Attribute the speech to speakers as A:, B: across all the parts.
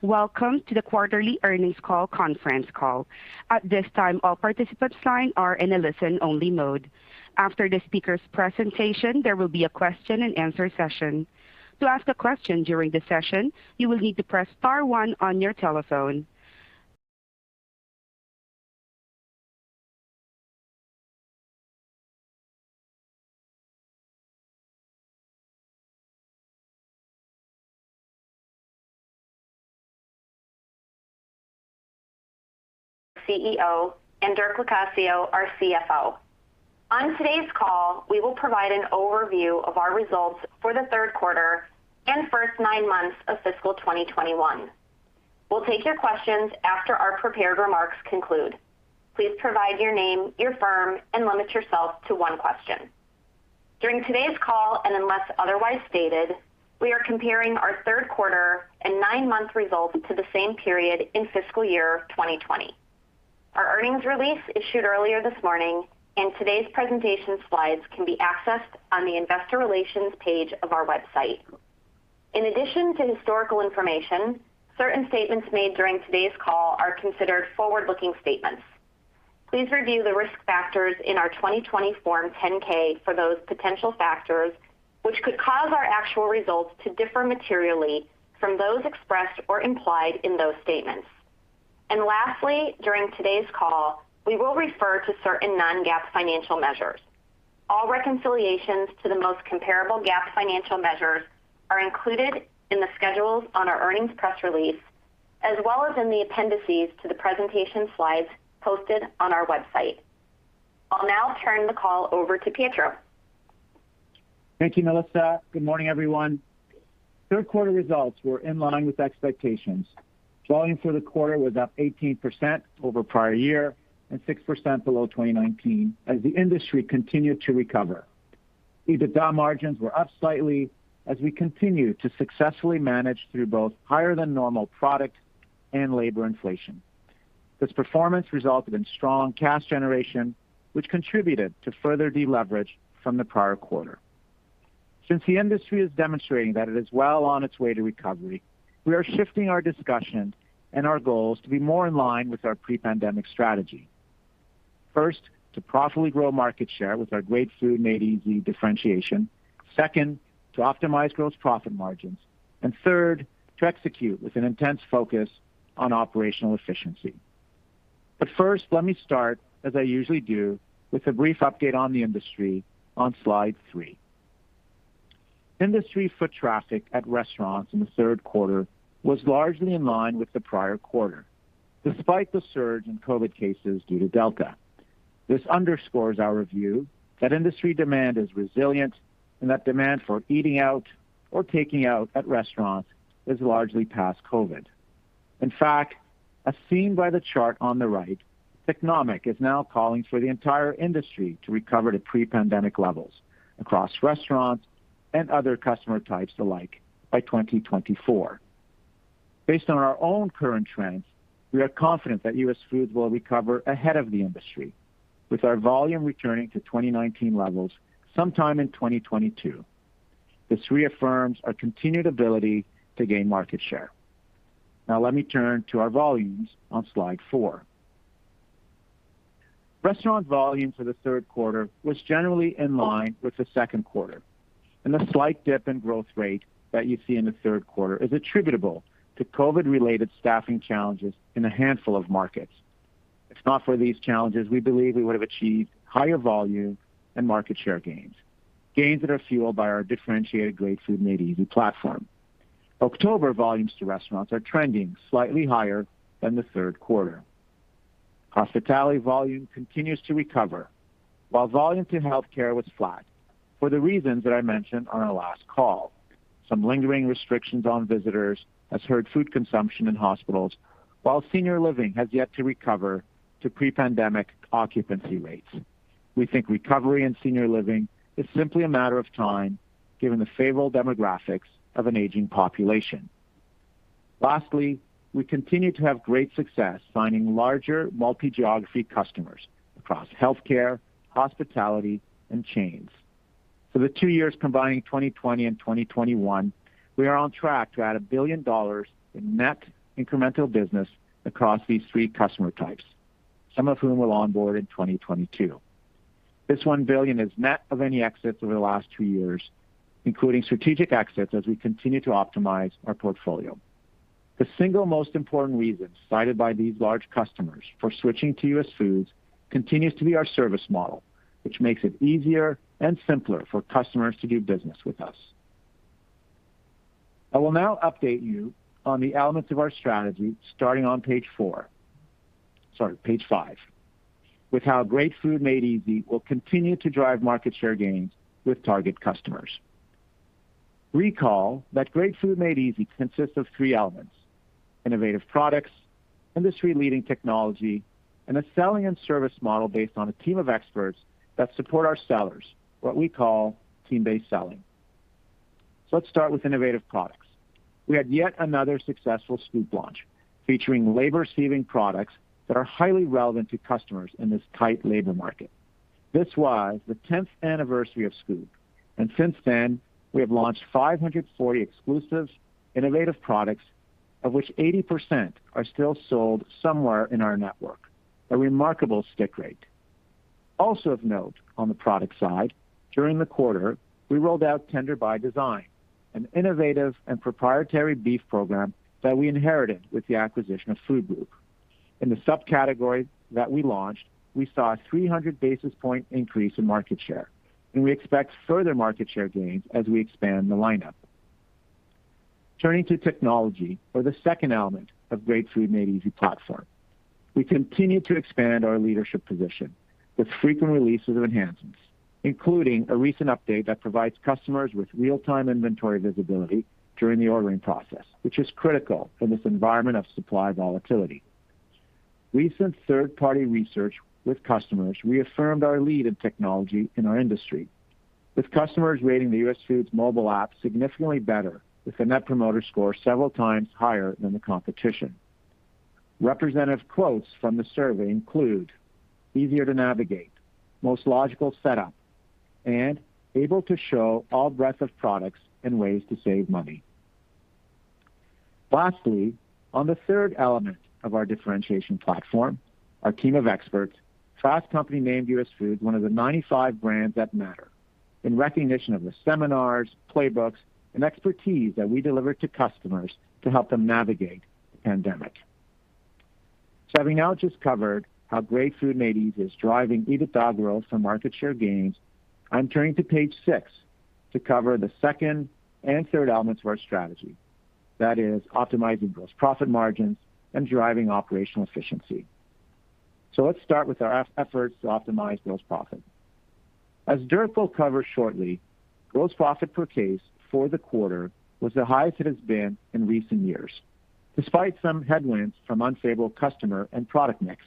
A: Welcome to the quarterly earnings Conference Call. At this time, all participants' lines are in a listen-only mode. After the speaker's presentation, there will be a question and answer session. To ask a question during the session, you will need to press star one on your telephone.
B: CEO, and Dirk Locascio, our CFO. On today's call, we will provide an overview of our results for Q3 and first nine months of fiscal 2021. We'll take your questions after our prepared remarks conclude. Please provide your name, your firm, and limit yourself to one question. During today's call, and unless otherwise stated, we are comparing our Q3 and nine-month results to the same period in fiscal year 2020. Our earnings release issued earlier this morning and today's presentation slides can be accessed on the investor relations page of our website. In addition to historical information, certain statements made during today's call are considered forward-looking statements. Please review the risk factors in our 2020 Form 10-K for those potential factors which could cause our actual results to differ materially from those expressed or implied in those statements. Lastly, during today's call, we will refer to certain non-GAAP financial measures. All reconciliations to the most comparable GAAP financial measures are included in the schedules on our earnings press release, as well as in the appendices to the presentation slides posted on our website. I'll now turn the call over to Pietro.
C: Thank you, Melissa. Good morning, everyone. Q3 results were in line with expectations. Volume for the quarter was up 18% over prior year and 6% below 2019 as the industry continued to recover. EBITDA margins were up slightly as we continued to successfully manage through both higher than normal product and labor inflation. This performance resulted in strong cash generation, which contributed to further deleverage from the prior quarter. Since the industry is demonstrating that it is well on its way to recovery, we are shifting our discussion and our goals to be more in line with our pre-pandemic strategy. First, to profitably grow market share with our Great Food. Made Easy. Differentiation. Second, to optimize gross profit margins. Third, to execute with an intense focus on operational efficiency. First, let me start, as I usually do, with a brief update on the industry on slide 3. Industry foot traffic at restaurants in Q3 was largely in line with the prior quarter, despite the surge in COVID cases due to Delta. This underscores our view that industry demand is resilient and that demand for eating out or taking out at restaurants is largely past COVID. In fact, as seen by the chart on the right, Technomic is now calling for the entire industry to recover to pre-pandemic levels across restaurants and other customer types alike by 2024. Based on our own current trends, we are confident that US Foods will recover ahead of the industry, with our volume returning to 2019 levels sometime in 2022. This reaffirms our continued ability to gain market share. Now let me turn to our volumes on slide 4. Restaurant volume for Q3 was generally in line with the Q2, and the slight dip in growth rate that you see in Q3 is attributable to COVID related staffing challenges in a handful of markets. If not for these challenges, we believe we would have achieved higher volume and market share gains that are fueled by our differentiated Great Food. Made Easy. Platform. October volumes to restaurants are trending slightly higher than Q3. Hospitality volume continues to recover, while volume to healthcare was flat for the reasons that I mentioned on our last call. Some lingering restrictions on visitors has hurt food consumption in hospitals, while senior living has yet to recover to pre-pandemic occupancy rates. We think recovery in senior living is simply a matter of time, given the favorable demographics of an aging population. Lastly, we continue to have great success finding larger multi-geography customers across healthcare, hospitality, and chains. For the two-years combining 2020 and 2021, we are on track to add $1 billion in net incremental business across these three customer types, some of whom will onboard in 2022. This $1 billion is net of any exits over the last two years, including strategic exits as we continue to optimize our portfolio. The single most important reason cited by these large customers for switching to US Foods continues to be our service model, which makes it easier and simpler for customers to do business with us. I will now update you on the elements of our strategy starting on page 4. Sorry, page five, with how Great Food. Made Easy. will continue to drive market share gains with target customers. Recall that Great Food. Made Easy. consists of three elements, innovative products, industry-leading technology, and a selling and service model based on a team of experts that support our sellers, what we call team-based selling. Let's start with innovative products. We had yet another successful Scoop launch featuring labor-saving products that are highly relevant to customers in this tight labor market. This was the 10th anniversary of Scoop, and since then, we have launched 540 exclusive innovative products, of which 80% are still sold somewhere in our network, a remarkable stick rate. Also of note on the product side, during the quarter, we rolled out Tender by Design, an innovative and proprietary beef program that we inherited with the acquisition of SGA's Food Group. In the subcategory that we launched, we saw a 300 basis point increase in market share, and we expect further market share gains as we expand the lineup. Turning to technology or the second element of Great Food. Made Easy. platform. We continue to expand our leadership position with frequent releases of enhancements, including a recent update that provides customers with real-time inventory visibility during the ordering process, which is critical in this environment of supply volatility. Recent third-party research with customers reaffirmed our lead in technology in our industry, with customers rating the US Foods' mobile app significantly better, with a Net Promoter Score several times higher than the competition. Representative quotes from the survey include, "Easier to navigate," "Most logical setup," and "Able to show all breadth of products and ways to save money." Lastly, on the third element of our differentiation platform, our team of experts, Fast Company named US Foods one of the 95 brands that matter in recognition of the seminars, playbooks, and expertise that we delivered to customers to help them navigate the pandemic. Having now just covered how Great Food Made Easy is driving EBITDA growth and market share gains, I'm turning to page 6 to cover the second and third elements of our strategy. That is, optimizing gross profit margins and driving operational efficiency. Let's start with our efforts to optimize gross profit. As Dirk will cover shortly, gross profit per case for the quarter was the highest it has been in recent years, despite some headwinds from unfavorable customer and product mix.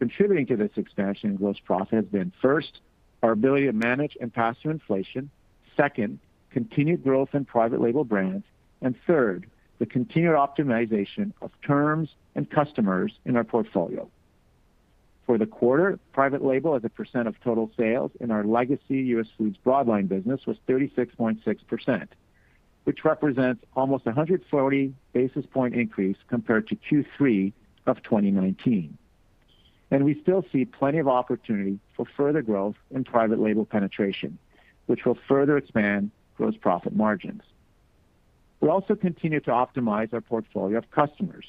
C: Contributing to this expansion in gross profit has been, first, our ability to manage and pass through inflation. Second, continued growth in private label brands. And third, the continued optimization of terms and customers in our portfolio. For the quarter, private label as a percent of total sales in our legacy US Foods broad line business was 36.6%, which represents almost 140 basis points increase compared to Q3 of 2019. We still see plenty of opportunity for further growth in private label penetration, which will further expand gross profit margins. We also continue to optimize our portfolio of customers,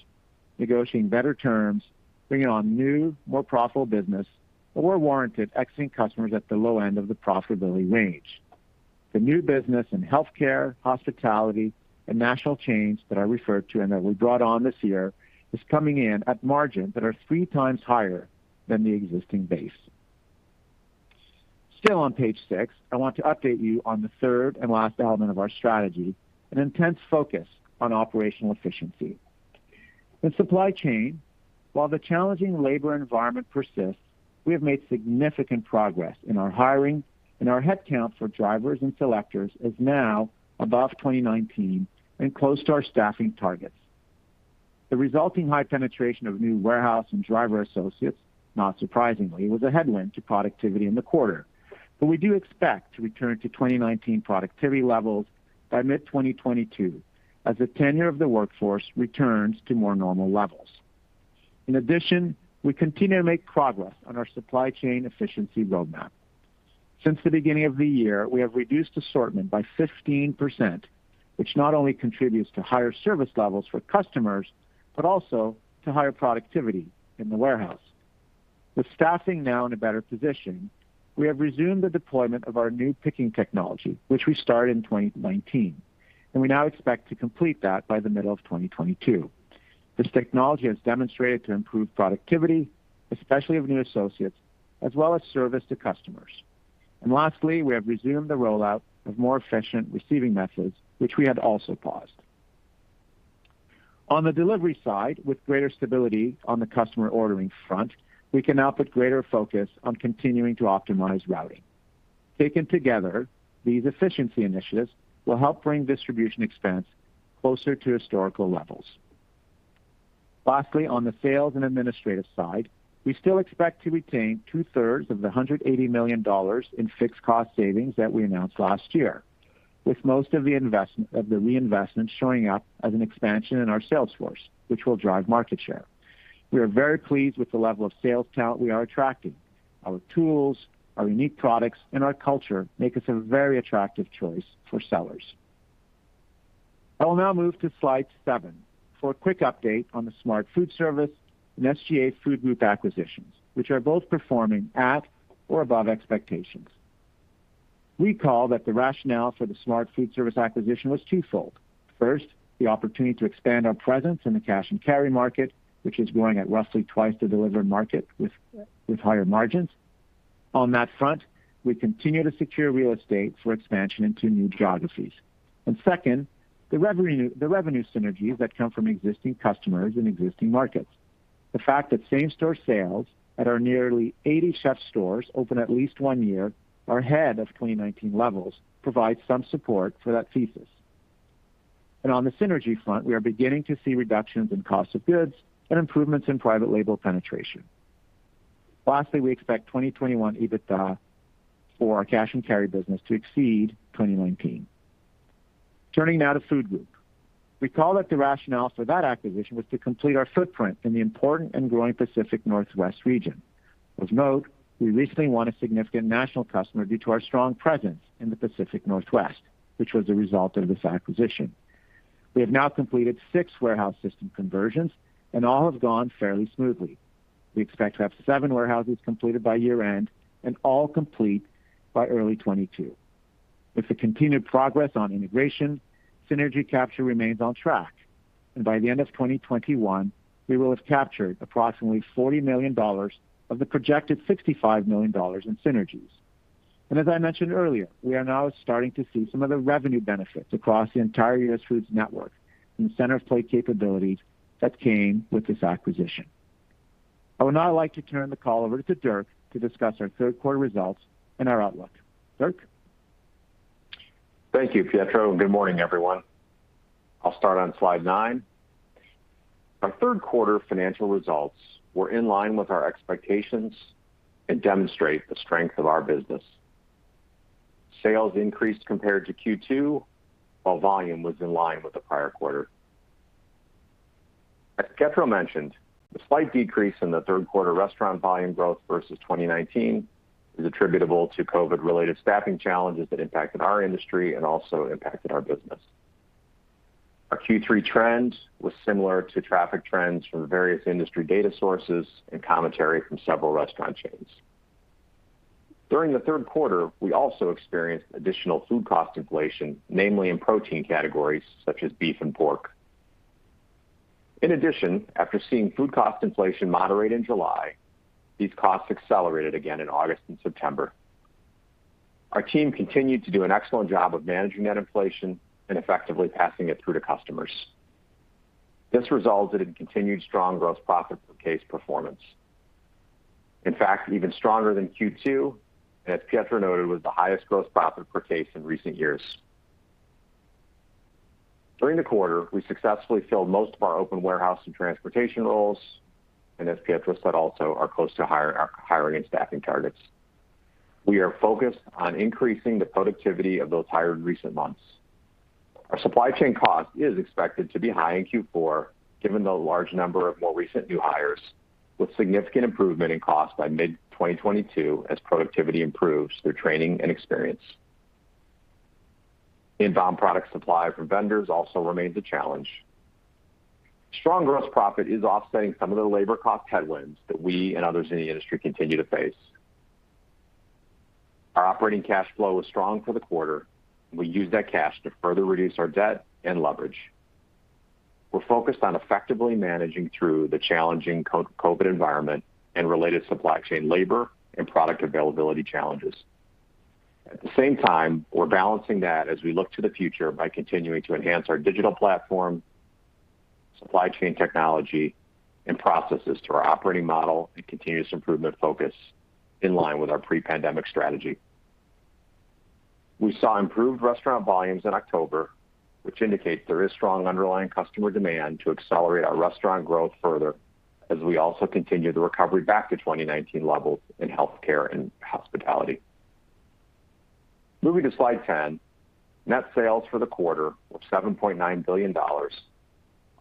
C: negotiating better terms, bringing on new, more profitable business, or where warranted, exiting customers at the low end of the profitability range. The new business in healthcare, hospitality, and national chains that I referred to and that we brought on this year is coming in at margins that are 3 times higher than the existing base. Still on page 6, I want to update you on the third and last element of our strategy, an intense focus on operational efficiency. In supply chain, while the challenging labor environment persists, we have made significant progress in our hiring, and our headcount for drivers and selectors is now above 2019 and close to our staffing targets. The resulting high penetration of new warehouse and driver associates, not surprisingly, was a headwind to productivity in the quarter. We do expect to return to 2019 productivity levels by mid-2022 as the tenure of the workforce returns to more normal levels. In addition, we continue to make progress on our supply chain efficiency roadmap. Since the beginning of the year, we have reduced assortment by 15%, which not only contributes to higher service levels for customers, but also to higher productivity in the warehouse. With staffing now in a better position, we have resumed the deployment of our new picking technology, which we started in 2019, and we now expect to complete that by the middle of 2022. This technology has demonstrated to improve productivity, especially of new associates, as well as service to customers. Lastly, we have resumed the rollout of more efficient receiving methods, which we had also paused. On the delivery side, with greater stability on the customer ordering front, we can now put greater focus on continuing to optimize routing. Taken together, these efficiency initiatives will help bring distribution expense closer to historical levels. Lastly, on the sales and administrative side, we still expect to retain two-thirds of the $180 million in fixed cost savings that we announced last year, with most of the investment of the reinvestment showing up as an expansion in our sales force, which will drive market share. We are very pleased with the level of sales talent we are attracting. Our tools, our unique products, and our culture make us a very attractive choice for sellers. I will now move to slide 7 for a quick update on the Smart Foodservice and SGA's Food Group acquisitions, which are both performing at or above expectations. Recall that the rationale for the Smart Foodservice acquisition was twofold. First, the opportunity to expand our presence in the cash and carry market, which is growing at roughly twice the delivered market with higher margins. On that front, we continue to secure real estate for expansion into new geographies. Second, the revenue synergies that come from existing customers in existing markets. The fact that same-store sales at our nearly 80 CHEF'STORE stores open at least one-year are ahead of 2019 levels provides some support for that thesis. On the synergy front, we are beginning to see reductions in cost of goods and improvements in private label penetration. Lastly, we expect 2021 EBITDA for our cash and carry business to exceed 2019. Turning now to Food Group. Recall that the rationale for that acquisition was to complete our footprint in the important and growing Pacific Northwest region. Of note, we recently won a significant national customer due to our strong presence in the Pacific Northwest, which was a result of this acquisition. We have now completed 6 warehouse system conversions, and all have gone fairly smoothly. We expect to have 7 warehouses completed by year-end and all complete by early 2022. With the continued progress on integration, synergy capture remains on track, and by the end of 2021, we will have captured approximately $40 million of the projected $65 million in synergies. As I mentioned earlier, we are now starting to see some of the revenue benefits across the entire US Foods network and center of plate capabilities that came with this acquisition. I would now like to turn the call over to Dirk to discuss our Q3 results and our outlook. Dirk?
D: Thank you, Pietro, and good morning, everyone. I'll start on slide 9. Our Q3 financial results were in line with our expectations and demonstrate the strength of our business. Sales increased compared to Q2, while volume was in line with the prior quarter. As Pietro mentioned, the slight decrease in Q3 restaurant volume growth versus 2019 is attributable to COVID-related staffing challenges that impacted our industry and also impacted our business. Our Q3 trend was similar to traffic trends from various industry data sources and commentary from several restaurant chains. During Q3, we also experienced additional food cost inflation, namely in protein categories such as beef and pork. In addition, after seeing food cost inflation moderate in July, these costs accelerated again in August and September. Our team continued to do an excellent job of managing that inflation and effectively passing it through to customers. This resulted in continued strong gross profit per case performance. In fact, even stronger than Q2, and as Pietro noted, was the highest gross profit per case in recent years. During the quarter, we successfully filled most of our open warehouse and transportation roles, and as Pietro said also, are close to hiring and staffing targets. We are focused on increasing the productivity of those hired in recent months. Our supply chain cost is expected to be high in Q4, given the large number of more recent new hires, with significant improvement in cost by mid-2022 as productivity improves through training and experience. Inbound product supply from vendors also remains a challenge. Strong gross profit is offsetting some of the labor cost headwinds that we and others in the industry continue to face. Our operating cash flow was strong for the quarter. We used that cash to further reduce our debt and leverage. We're focused on effectively managing through the challenging COVID environment and related supply chain labor and product availability challenges. At the same time, we're balancing that as we look to the future by continuing to enhance our digital platform, supply chain technology, and processes to our operating model and continuous improvement focus in line with our pre-pandemic strategy. We saw improved restaurant volumes in October, which indicates there is strong underlying customer demand to accelerate our restaurant growth further as we also continue the recovery back to 2019 levels in healthcare and hospitality. Moving to slide 10. Net sales for the quarter were $7.9 billion,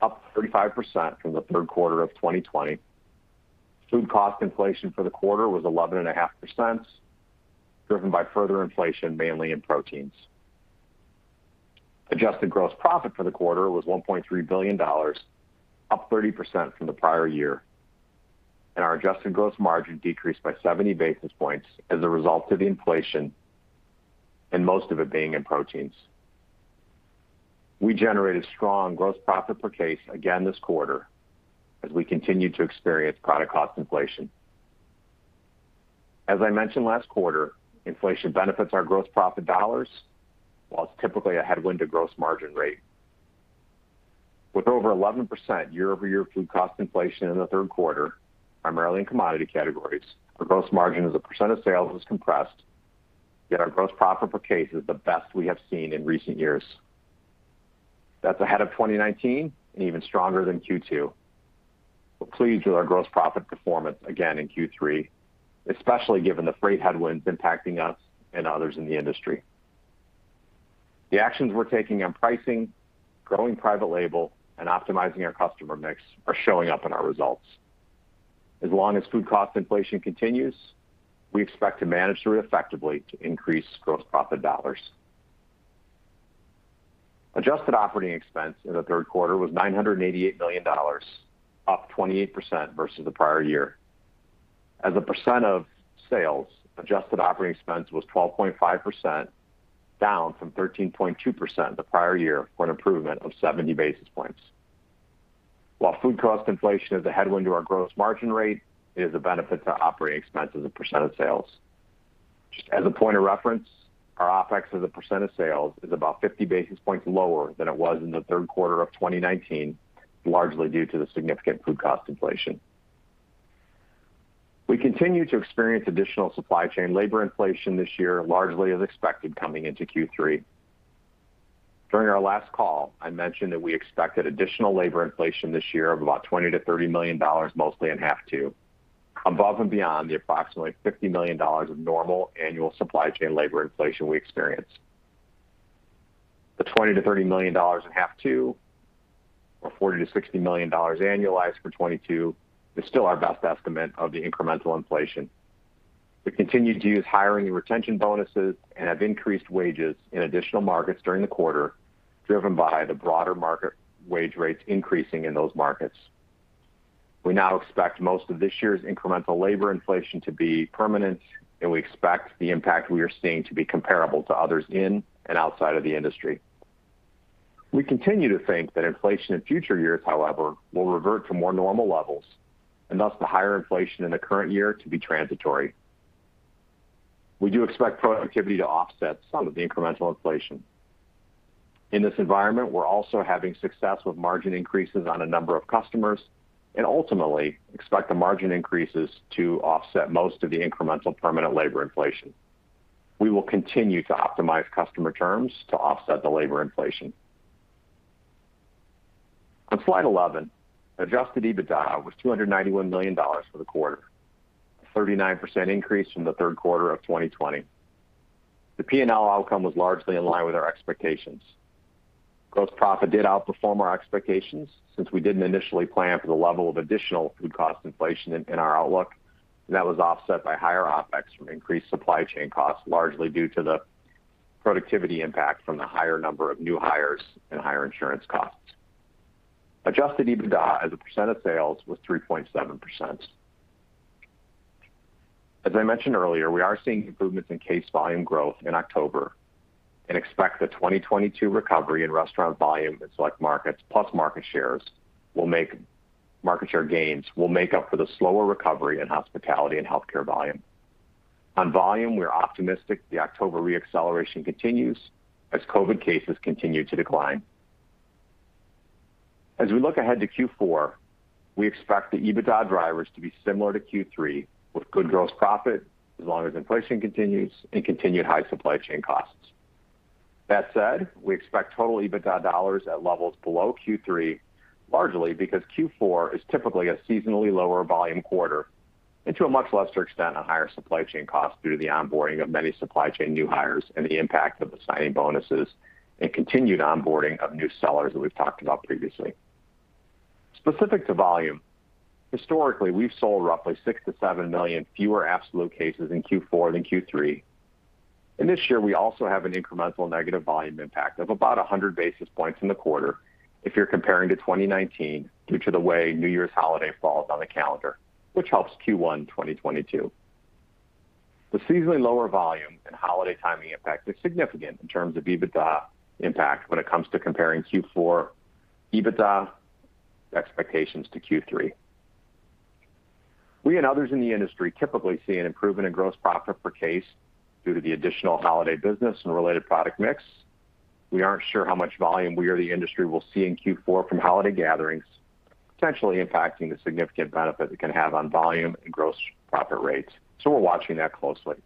D: up 35% from Q3 of 2020. Food cost inflation for the quarter was 11.5%, driven by further inflation mainly in proteins. Adjusted gross profit for the quarter was $1.3 billion, up 30% from the prior year. Our adjusted gross margin decreased by 70 basis points as a result of the inflation and most of it being in proteins. We generated strong gross profit per case again this quarter as we continued to experience product cost inflation. As I mentioned last quarter, inflation benefits our gross profit dollars, while it's typically a headwind to gross margin rate. With over 11% year-over-year food cost inflation in Q3, primarily in commodity categories, our gross margin as a percent of sales was compressed, yet our gross profit per case is the best we have seen in recent years. That's ahead of 2019 and even stronger than Q2. We're pleased with our gross profit performance again in Q3, especially given the freight headwinds impacting us and others in the industry. The actions we're taking on pricing, growing private label, and optimizing our customer mix are showing up in our results. As long as food cost inflation continues, we expect to manage through it effectively to increase gross profit dollars. Adjusted operating expense in Q3 was $988 million, up 28% versus the prior year. As a percent of sales, adjusted operating expense was 12.5%, down from 13.2% the prior year for an improvement of 70 basis points. While food cost inflation is a headwind to our gross margin rate, it is a benefit to operating expenses as a percent of sales. Just as a point of reference, our OpEx as a percent of sales is about 50 basis points lower than it was in Q3 of 2019, largely due to the significant food cost inflation. We continue to experience additional supply chain labor inflation this year, largely as expected coming into Q3. During our last call, I mentioned that we expected additional labor inflation this year of about $20 million-$30 million, mostly in H2, above and beyond the approximately $50 million of normal annual supply chain labor inflation we experience. The $20 million-$30 million in H2 or $40 million-$60 million annualized for 2022 is still our best estimate of the incremental inflation. We continue to use hiring and retention bonuses and have increased wages in additional markets during the quarter, driven by the broader market wage rates increasing in those markets. We now expect most of this year's incremental labor inflation to be permanent, and we expect the impact we are seeing to be comparable to others in and outside of the industry. We continue to think that inflation in future years, however, will revert to more normal levels, and thus the higher inflation in the current year to be transitory. We do expect productivity to offset some of the incremental inflation. In this environment, we're also having success with margin increases on a number of customers and ultimately expect the margin increases to offset most of the incremental permanent labor inflation. We will continue to optimize customer terms to offset the labor inflation. On slide 11, adjusted EBITDA was $291 million for the quarter, a 39% increase from Q3 of 2020. The P&L outcome was largely in line with our expectations. Gross profit did outperform our expectations since we didn't initially plan for the level of additional food cost inflation in our outlook. That was offset by higher OpEx from increased supply chain costs, largely due to the productivity impact from the higher number of new hires and higher insurance costs. Adjusted EBITDA as a percent of sales was 3.7%. As I mentioned earlier, we are seeing improvements in case volume growth in October and expect the 2022 recovery in restaurant volume in select markets, plus market share gains will make up for the slower recovery in hospitality and healthcare volume. On volume, we're optimistic the October re-acceleration continues as COVID cases continue to decline. As we look ahead to Q4, we expect the EBITDA drivers to be similar to Q3 with good gross profit as long as inflation continues and continued high supply chain costs. That said, we expect total EBITDA dollars at levels below Q3, largely because Q4 is typically a seasonally lower volume quarter and to a much lesser extent, a higher supply chain cost due to the onboarding of many supply chain new hires and the impact of the signing bonuses and continued onboarding of new sellers that we've talked about previously. Specific to volume, historically, we've sold roughly 6-7 million fewer absolute cases in Q4 than Q3. This year, we also have an incremental negative volume impact of about 100 basis points in the quarter if you're comparing to 2019 due to the way New Year's holiday falls on the calendar, which helps Q1 2022. The seasonally lower volume and holiday timing impact is significant in terms of EBITDA impact when it comes to comparing Q4 EBITDA expectations to Q3. We and others in the industry typically see an improvement in gross profit per case due to the additional holiday business and related product mix. We aren't sure how much volume we or the industry will see in Q4 from holiday gatherings, potentially impacting the significant benefit it can have on volume and gross profit rates. We're watching that closely.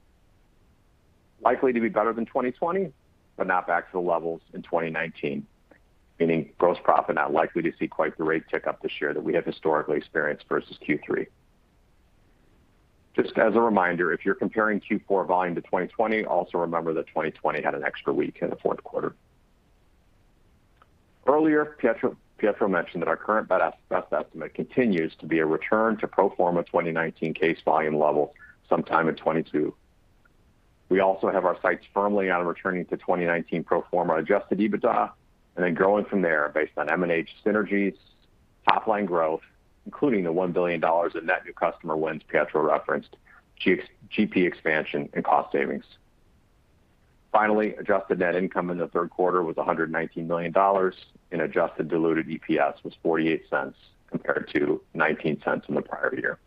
D: Likely to be better than 2020, but not back to the levels in 2019, meaning gross profit not likely to see quite the rate tick up this year that we have historically experienced versus Q3. Just as a reminder, if you're comparing Q4 volume to 2020, also remember that 2020 had an extra week in Q4. Earlier, Pietro mentioned that our current best estimate continues to be a return to pro forma 2019 case volume level sometime in 2022. We also have our sights firmly on returning to 2019 pro forma adjusted EBITDA and then growing from there based on M&A synergies, top-line growth, including the $1 billion in net new customer wins Pietro referenced, GP expansion, and cost savings. Finally, adjusted net income in Q3 was $119 million, and adjusted diluted EPS was $0.48 compared to $0.19 in the prior year.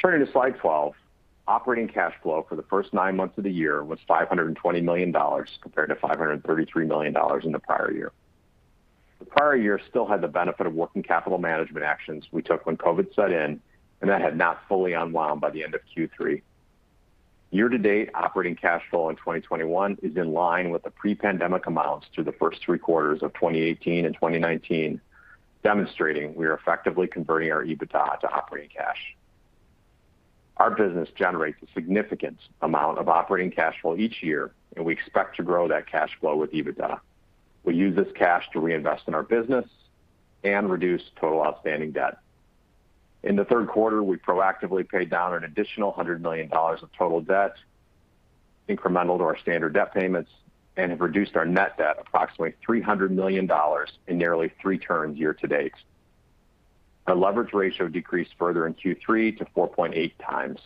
D: Turning to slide 12, operating cash flow for the first 9 months of the year was $520 million compared to $533 million in the prior year. The prior year still had the benefit of working capital management actions we took when COVID set in, and that had not fully unwound by the end of Q3. Year to date, operating cash flow in 2021 is in line with the pre-pandemic amounts through the first three quarters of 2018 and 2019, demonstrating we are effectively converting our EBITDA to operating cash. Our business generates a significant amount of operating cash flow each year, and we expect to grow that cash flow with EBITDA. We use this cash to reinvest in our business and reduce total outstanding debt. In Q3, we proactively paid down an additional $100 million of total debt incremental to our standard debt payments and have reduced our net debt approximately $300 million in nearly 3 turns year to date. Our leverage ratio decreased further in Q3 to 4.8 times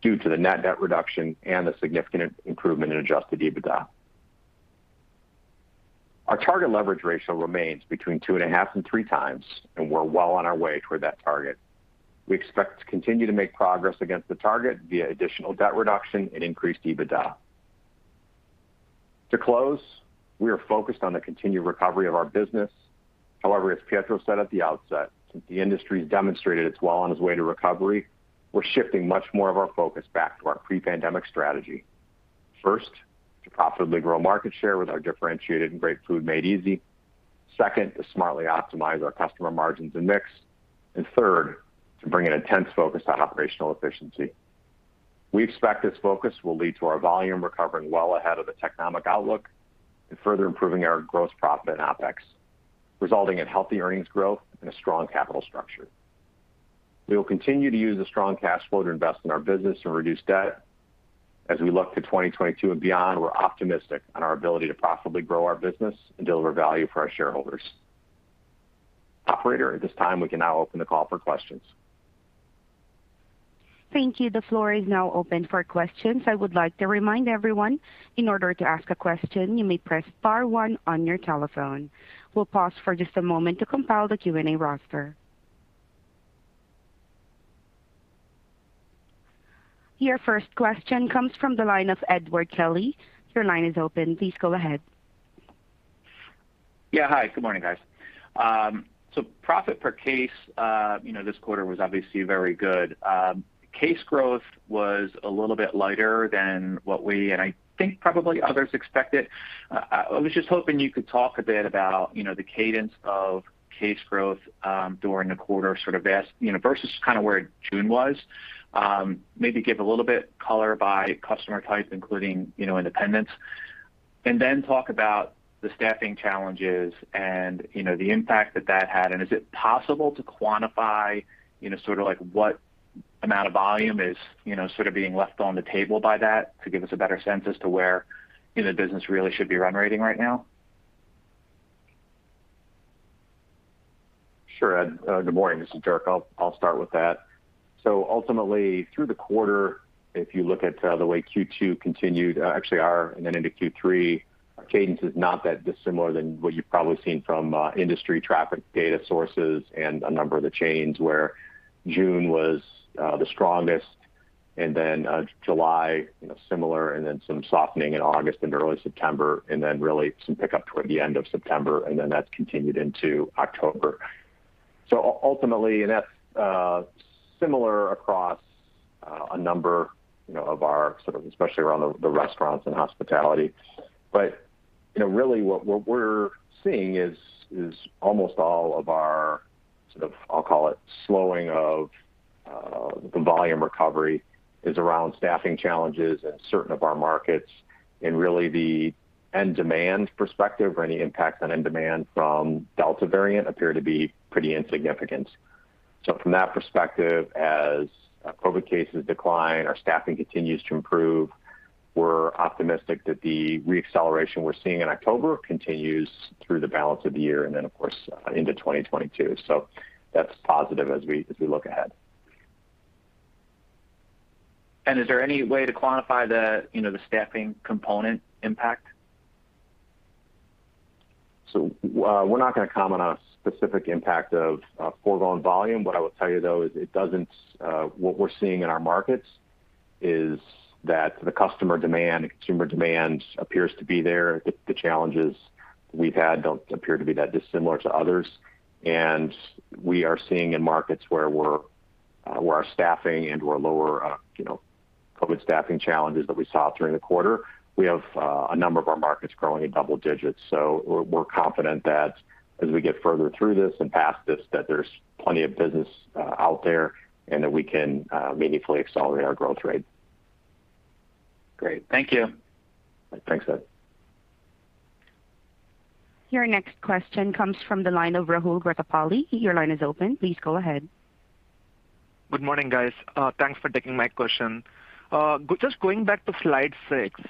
D: due to the net debt reduction and the significant improvement in adjusted EBITDA. Our target leverage ratio remains between 2.5 and 3 times, and we're well on our way toward that target. We expect to continue to make progress against the target via additional debt reduction and increased EBITDA. To close, we are focused on the continued recovery of our business. However, as Pietro said at the outset, since the industry has demonstrated it's well on its way to recovery, we're shifting much more of our focus back to our pre-pandemic strategy. First, to profitably grow market share with our differentiated and Great Food. Made Easy. Second, to smartly optimize our customer margins and mix. Third, to bring an intense focus on operational efficiency. We expect this focus will lead to our volume recovering well ahead of the Technomic outlook and further improving our gross profit and OpEx, resulting in healthy earnings growth and a strong capital structure. We will continue to use the strong cash flow to invest in our business and reduce debt. As we look to 2022 and beyond, we're optimistic on our ability to profitably grow our business and deliver value for our shareholders. Operator, at this time, we can now open the call for questions.
A: Thank you. The floor is now open for questions. I would like to remind everyone, in order to ask a question, you may press star one on your telephone. We'll pause for just a moment to compile the Q&A roster. Your first question comes from the line of Edward Kelly. Your line is open. Please go ahead.
E: Yeah. Hi, good morning, guys. So profit per case, you know, this quarter was obviously very good. Case growth was a little bit lighter than what we and I think probably others expected. I was just hoping you could talk a bit about, you know, the cadence of case growth, during the quarter, sort of as, you know, versus kind of where June was. Maybe give a little bit color by customer type, including, you know, independents. Talk about the staffing challenges and, you know, the impact that that had. Is it possible to quantify, you know, sort of like what amount of volume is, you know, sort of being left on the table by that to give us a better sense as to where, you know, the business really should be run rate right now?
D: Sure, Ed. Good morning. This is Dirk Locascio. I'll start with that. Ultimately, through the quarter, if you look at the way Q2 continued, actually our and then into Q3, our cadence is not that dissimilar than what you've probably seen from industry traffic data sources and a number of the chains where June was the strongest and then July, you know, similar and then some softening in August and early September, and then really some pickup toward the end of September, and then that's continued into October. Ultimately, that's similar across a number, you know, of our sort of especially around the restaurants and hospitality. You know, really what we're seeing is almost all of our sort of, I'll call it slowing of the volume recovery is around staffing challenges in certain of our markets. Really the end demand perspective or any impact on end demand from Delta variant appear to be pretty insignificant. From that perspective, as COVID cases decline, our staffing continues to improve, we're optimistic that the re-acceleration we're seeing in October continues through the balance of the year and then of course into 2022. That's positive as we look ahead.
E: Is there any way to quantify the, you know, the staffing component impact?
D: We're not gonna comment on a specific impact of foregone volume. What I will tell you, though, is what we're seeing in our markets is that the customer demand and consumer demand appears to be there. The challenges we've had don't appear to be that dissimilar to others. We are seeing in markets where we're where our staffing into our lower COVID staffing challenges that we saw during the quarter, we have a number of our markets growing in double-digits. We're confident that as we get further through this and past this, that there's plenty of business out there and that we can meaningfully accelerate our growth rate.
E: Great. Thank you.
D: Thanks, Ed.
A: Your next question comes from the line of Rahul Gretapalli. Your line is open. Please go ahead.
F: Good morning, guys. Thanks for taking my question. Just going back to slide 6,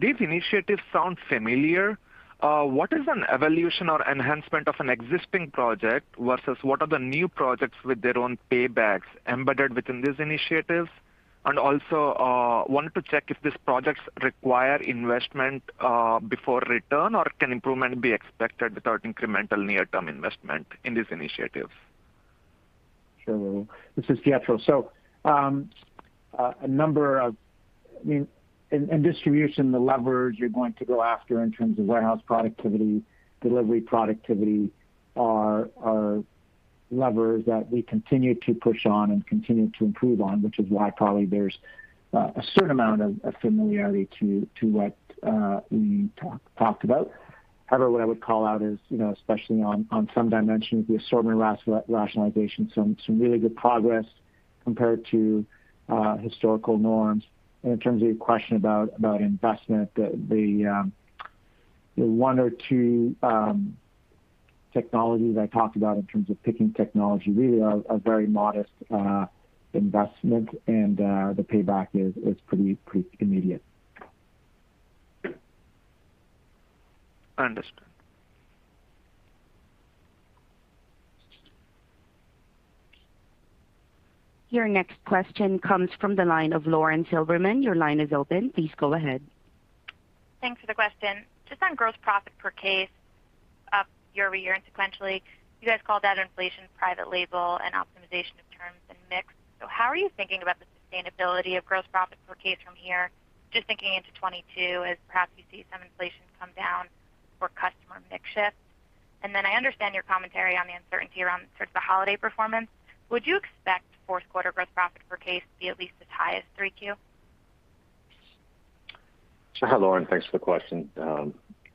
F: these initiatives sound familiar. What is an evolution or enhancement of an existing project versus what are the new projects with their own paybacks embedded within these initiatives? I wanted to check if these projects require investment before return, or can improvement be expected without incremental near-term investment in these initiatives?
C: Sure, Rahul Gretapalli. This is Pietro Satriano. I mean, in distribution, the levers you're going to go after in terms of warehouse productivity, delivery productivity are levers that we continue to push on and continue to improve on, which is why probably there's a certain amount of familiarity to what we talked about. However, what I would call out is, you know, especially on some dimensions, the assortment rationalization, some really good progress compared to historical norms. In terms of your question about investment, the one or two technologies I talked about in terms of picking technology really are very modest investment and the payback is pretty immediate.
F: Understood.
A: Your next question comes from the line of Lauren Silberman. Your line is open. Please go ahead.
G: Thanks for the question. Just on gross profit per case, year-over-year and sequentially, you guys called out inflation, private label, and optimization of terms and mix. How are you thinking about the sustainability of gross profit per case from here, just thinking into 2022 as perhaps you see some inflation come down or customer mix shift? Then I understand your commentary on the uncertainty around sort of the holiday performance. Would you expect Q4 gross profit per case to be at least as high as 3Q?
D: Sure. Lauren, thanks for the question.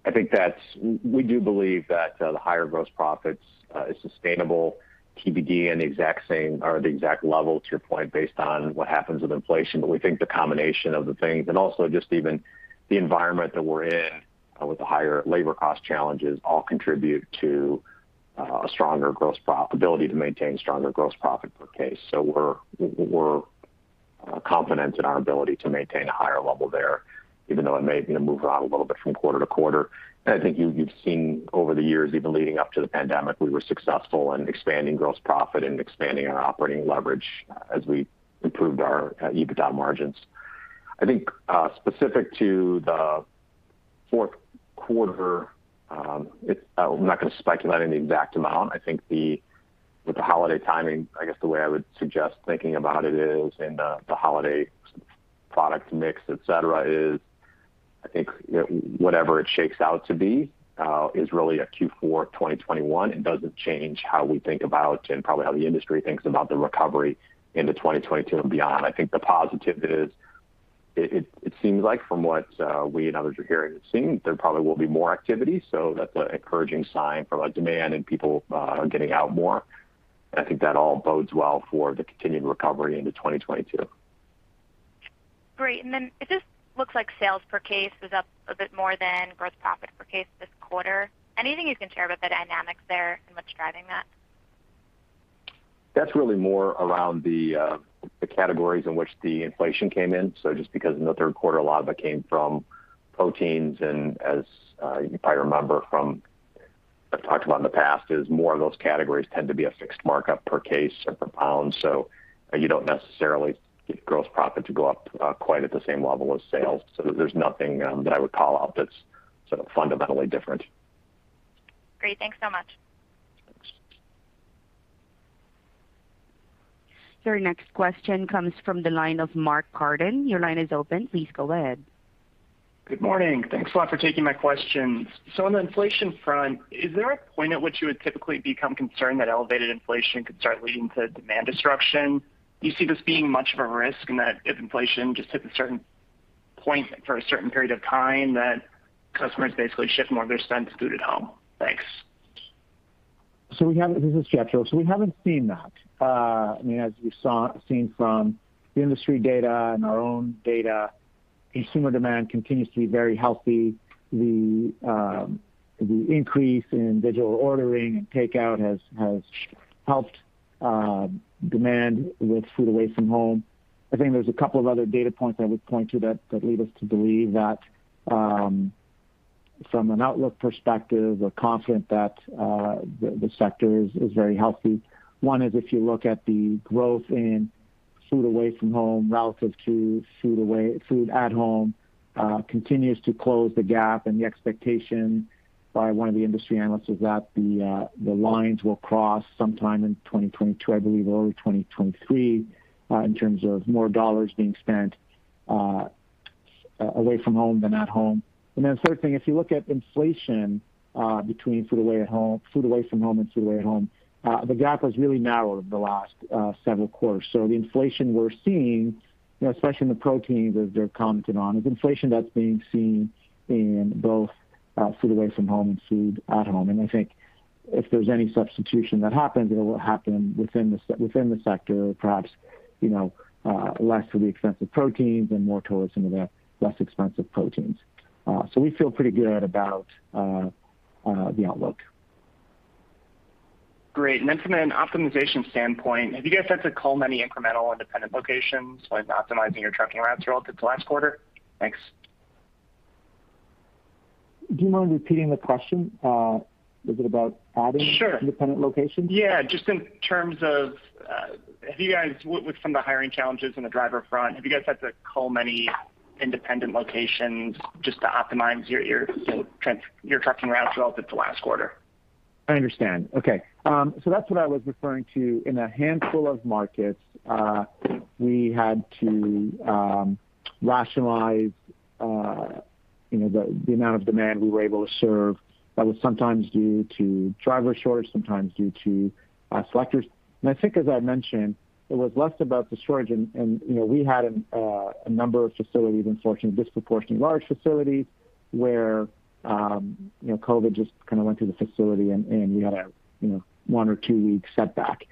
D: I think that we do believe that the higher gross profits is sustainable. TBD whether the exact same are the exact level, to your point, based on what happens with inflation. We think the combination of the things and also just even the environment that we're in with the higher labor cost challenges all contribute to a stronger gross profitability to maintain stronger gross profit per case. We're confident in our ability to maintain a higher level there, even though it may, you know, move around a little bit from quarter-to-quarter. I think you've seen over the years, even leading up to the pandemic, we were successful in expanding gross profit and expanding our operating leverage as we improved our EBITDA margins.
C: I think, specific to Q4, it's. I'm not gonna speculate on the exact amount. I think, with the holiday timing, I guess the way I would suggest thinking about it is in the holiday product mix, et cetera, is I think whatever it shakes out to be, is really a Q4 2021. It doesn't change how we think about and probably how the industry thinks about the recovery into 2022 and beyond. I think the positive is it seems like from what we and others are hearing, it seems there probably will be more activity. That's an encouraging sign for, like, demand and people getting out more. I think that all bodes well for the continued recovery into 2022.
G: Great. It just looks like sales per case was up a bit more than gross profit per case this quarter. Anything you can share about the dynamics there and what's driving that?
C: That's really more around the categories in which the inflation came in. Just because in Q3, a lot of it came from proteins, and as you probably remember I've talked about in the past is more of those categories tend to be a fixed markup per case or per pound. You don't necessarily get gross profit to go up quite at the same level as sales. There's nothing that I would call out that's sort of fundamentally different.
G: Great. Thanks so much.
C: Thanks.
A: Your next question comes from the line of Mark Carden. Your line is open. Please go ahead.
H: Good morning. Thanks a lot for taking my questions. On the inflation front, is there a point at which you would typically become concerned that elevated inflation could start leading to demand destruction? Do you see this being much of a risk in that if inflation just hits a certain point for a certain period of time, that customers basically shift more of their spend to food at home? Thanks.
C: This is Pietro. We haven't seen that. I mean, as we've seen from the industry data and our own data, consumer demand continues to be very healthy. The increase in digital ordering and takeout has helped demand with food away from home. I think there's a couple of other data points I would point to that lead us to believe that from an outlook perspective, we're confident that the sector is very healthy. One is, if you look at the growth in food away from home relative to food at home, continues to close the gap and the expectation by one of the industry analysts is that the lines will cross sometime in 2022, I believe, or early 2023, in terms of more dollars being spent away from home than at home. Then the third thing, if you look at inflation between food away from home and food at home, the gap has really narrowed over the last several quarters. The inflation we're seeing, you know, especially in the proteins as they're commented on, is inflation that's being seen in both food away from home and food at home. I think if there's any substitution that happens, it will happen within the sector or perhaps, you know, the outlook.
H: Great. From an optimization standpoint, have you guys had to cull many incremental independent locations when optimizing your trucking routes here relative to last quarter? Thanks.
C: Do you mind repeating the question? Was it about adding-
H: Sure.
C: independent locations?
H: Yeah. Just in terms of, with some of the hiring challenges on the driver front, have you guys had to cull many independent locations just to optimize your trucking routes relative to last quarter?
C: I understand. Okay. That's what I was referring to. In a handful of markets, we had to rationalize, you know, the amount of demand we were able to serve. That was sometimes due to driver shortage, sometimes due to selectors. I think as I mentioned, it was less about the shortage and you know, we had a number of facilities, unfortunately, disproportionately large facilities where you know, COVID just kind of went through the facility and you had a one- or two-week setback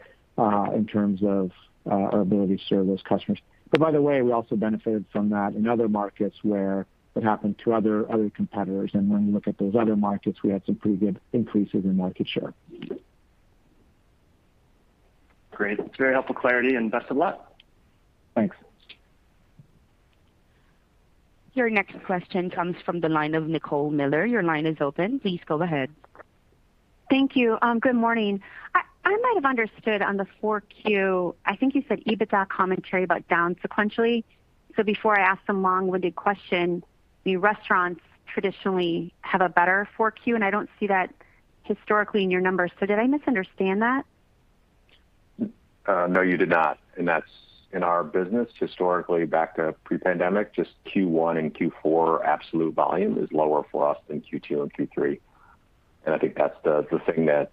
C: in terms of our ability to serve those customers. By the way, we also benefited from that in other markets where it happened to other competitors. When you look at those other markets, we had some pretty good increases in market share.
H: Great. Very helpful clarity and best of luck.
C: Thanks.
A: Your next question comes from the line of Nicole Miller. Your line is open. Please go ahead.
I: Thank you. Good morning. I might have understood on the 4Q. I think you said EBITDA commentary about down sequentially. Before I ask some long-winded question. The restaurants traditionally have a better Q4, and I don't see that historically in your numbers. Did I misunderstand that?
D: No, you did not. That's in our business historically back to pre-pandemic, just Q1 and Q4 absolute volume is lower for us than Q2 and Q3. I think that's the thing that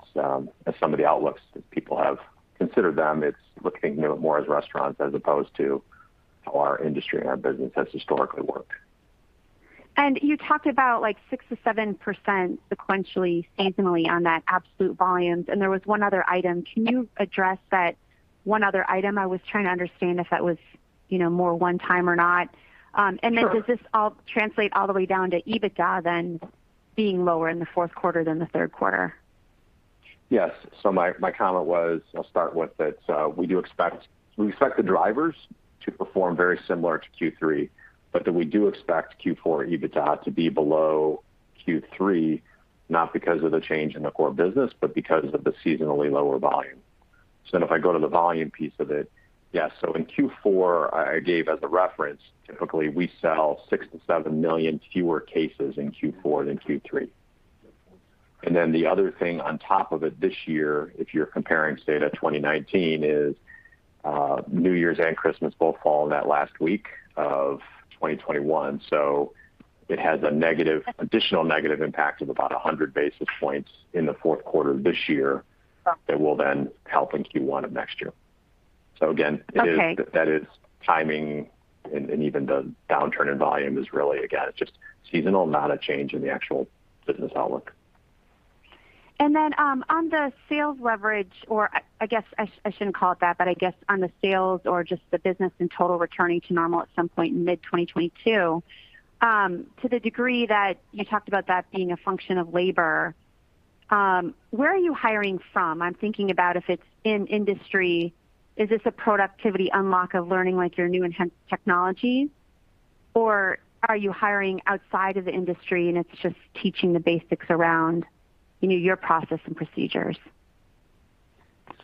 D: as some of the outlooks that people have considered them, it's looking, you know, more as restaurants as opposed to how our industry and our business has historically worked.
I: You talked about, like, 6%-7% sequentially, seasonally on that absolute volumes. There was one other item. Can you address that one other item? I was trying to understand if that was, you know, more one time or not. And then-
C: Sure.
I: Does this all translate all the way down to EBITDA then being lower in Q4 than Q3?
D: Yes. My comment was, I'll start with it. We expect the drivers to perform very similar to Q3, but that we do expect Q4 EBITDA to be below Q3, not because of the change in the core business, but because of the seasonally lower volume. If I go to the volume piece of it, yes. In Q4, I gave as a reference, typically we sell 6-7 million fewer cases in Q4 than Q3. The other thing on top of it this year, if you're comparing, say, to 2019 is, New Year's and Christmas both fall in that last week of 2021. It has an additional negative impact of about 100 basis points in Q4 this year that will then help in Q1 of next year. Again, it is.
I: Okay.
C: that is timing and even the downturn in volume is really, again, it's just seasonal, not a change in the actual business outlook.
I: On the sales leverage or I guess I shouldn't call it that, but I guess on the sales or just the business in total returning to normal at some point in mid-2022, to the degree that you talked about that being a function of labor, where are you hiring from? I'm thinking about if it's in industry, is this a productivity unlock of learning like your new enhanced technologies, or are you hiring outside of the industry and it's just teaching the basics around, you know, your process and procedures?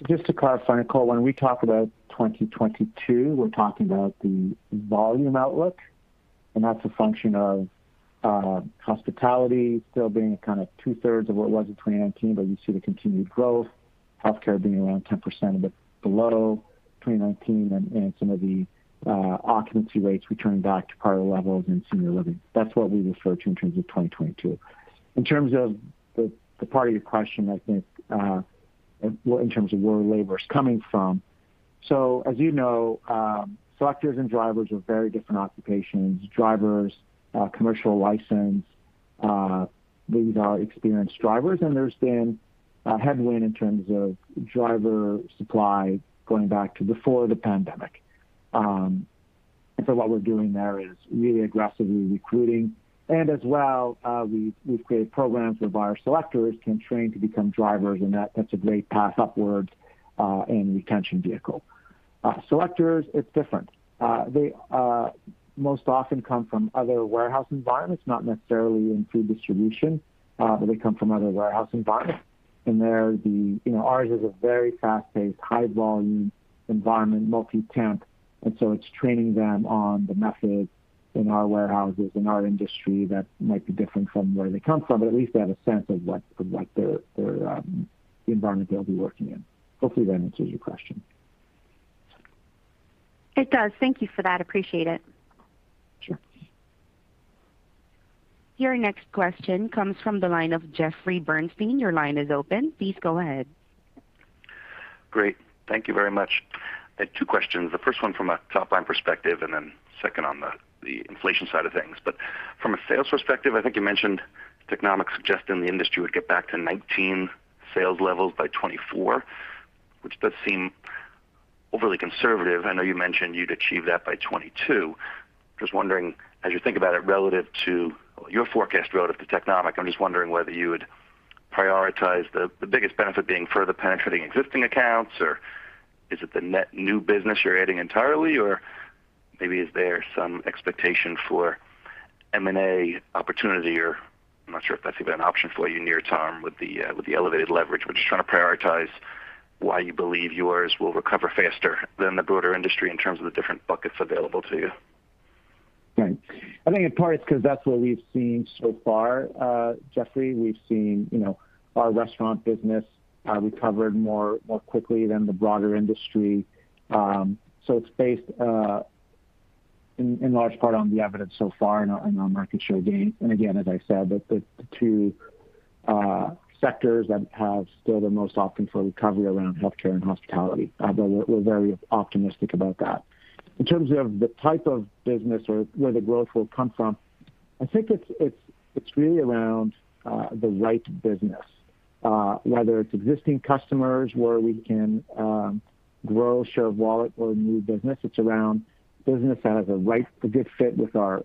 C: Just to clarify, Nicole, when we talk about 2022, we're talking about the volume outlook, and that's a function of hospitality still being kind of two-thirds of what it was in 2019, but you see the continued growth in healthcare being around 10%, a bit below 2019 in some of the occupancy rates returning back to prior levels in senior living. That's what we expect in terms of 2022. In terms of the part of your question, I think in terms of where labor is coming from. As you know, selectors and drivers are very different occupations. Drivers, commercial license, these are experienced drivers, and there's been a headwind in terms of driver supply going back to before the pandemic. What we're doing there is really aggressively recruiting. As well, we've created programs where our selectors can train to become drivers and that's a great path upwards and retention vehicle. Selectors, it's different. They most often come from other warehouse environments, not necessarily in food distribution, but they come from other warehouse environments. You know, ours is a very fast-paced, high volume environment, multi-temp, and so it's training them on the methods in our warehouses, in our industry that might be different from where they come from, but at least they have a sense of what their the environment they'll be working in. Hopefully that answers your question.
I: It does. Thank you for that. I appreciate it.
C: Sure.
A: Your next question comes from the line of Jeffrey Bernstein. Your line is open. Please go ahead.
J: Great. Thank you very much. I had two questions. The first one from a top-line perspective and then second on the inflation side of things. From a sales perspective, I think you mentioned Technomic suggesting the industry would get back to 2019 sales levels by 2024, which does seem overly conservative. I know you mentioned you'd achieve that by 2022. Just wondering, as you think about it relative to your forecast relative to Technomic, I'm just wondering whether you would prioritize the biggest benefit being further penetrating existing accounts or is it the net new business you're adding entirely? Maybe is there some expectation for M&A opportunity or I'm not sure if that's even an option for you near term with the elevated leverage, but just trying to prioritize why you believe yours will recover faster than the broader industry in terms of the different buckets available to you?
C: Right. I think in part it's 'cause that's what we've seen so far, Jeffrey. We've seen, you know, our restaurant business recovered more quickly than the broader industry. So it's based in large part on the evidence so far and our market share gain. Again, as I said, the two sectors that still have the most room for recovery around healthcare and hospitality. But we're very optimistic about that. In terms of the type of business or where the growth will come from, I think it's really around the right business. Whether it's existing customers where we can grow share of wallet or new business, it's around business that has the right, a good fit with our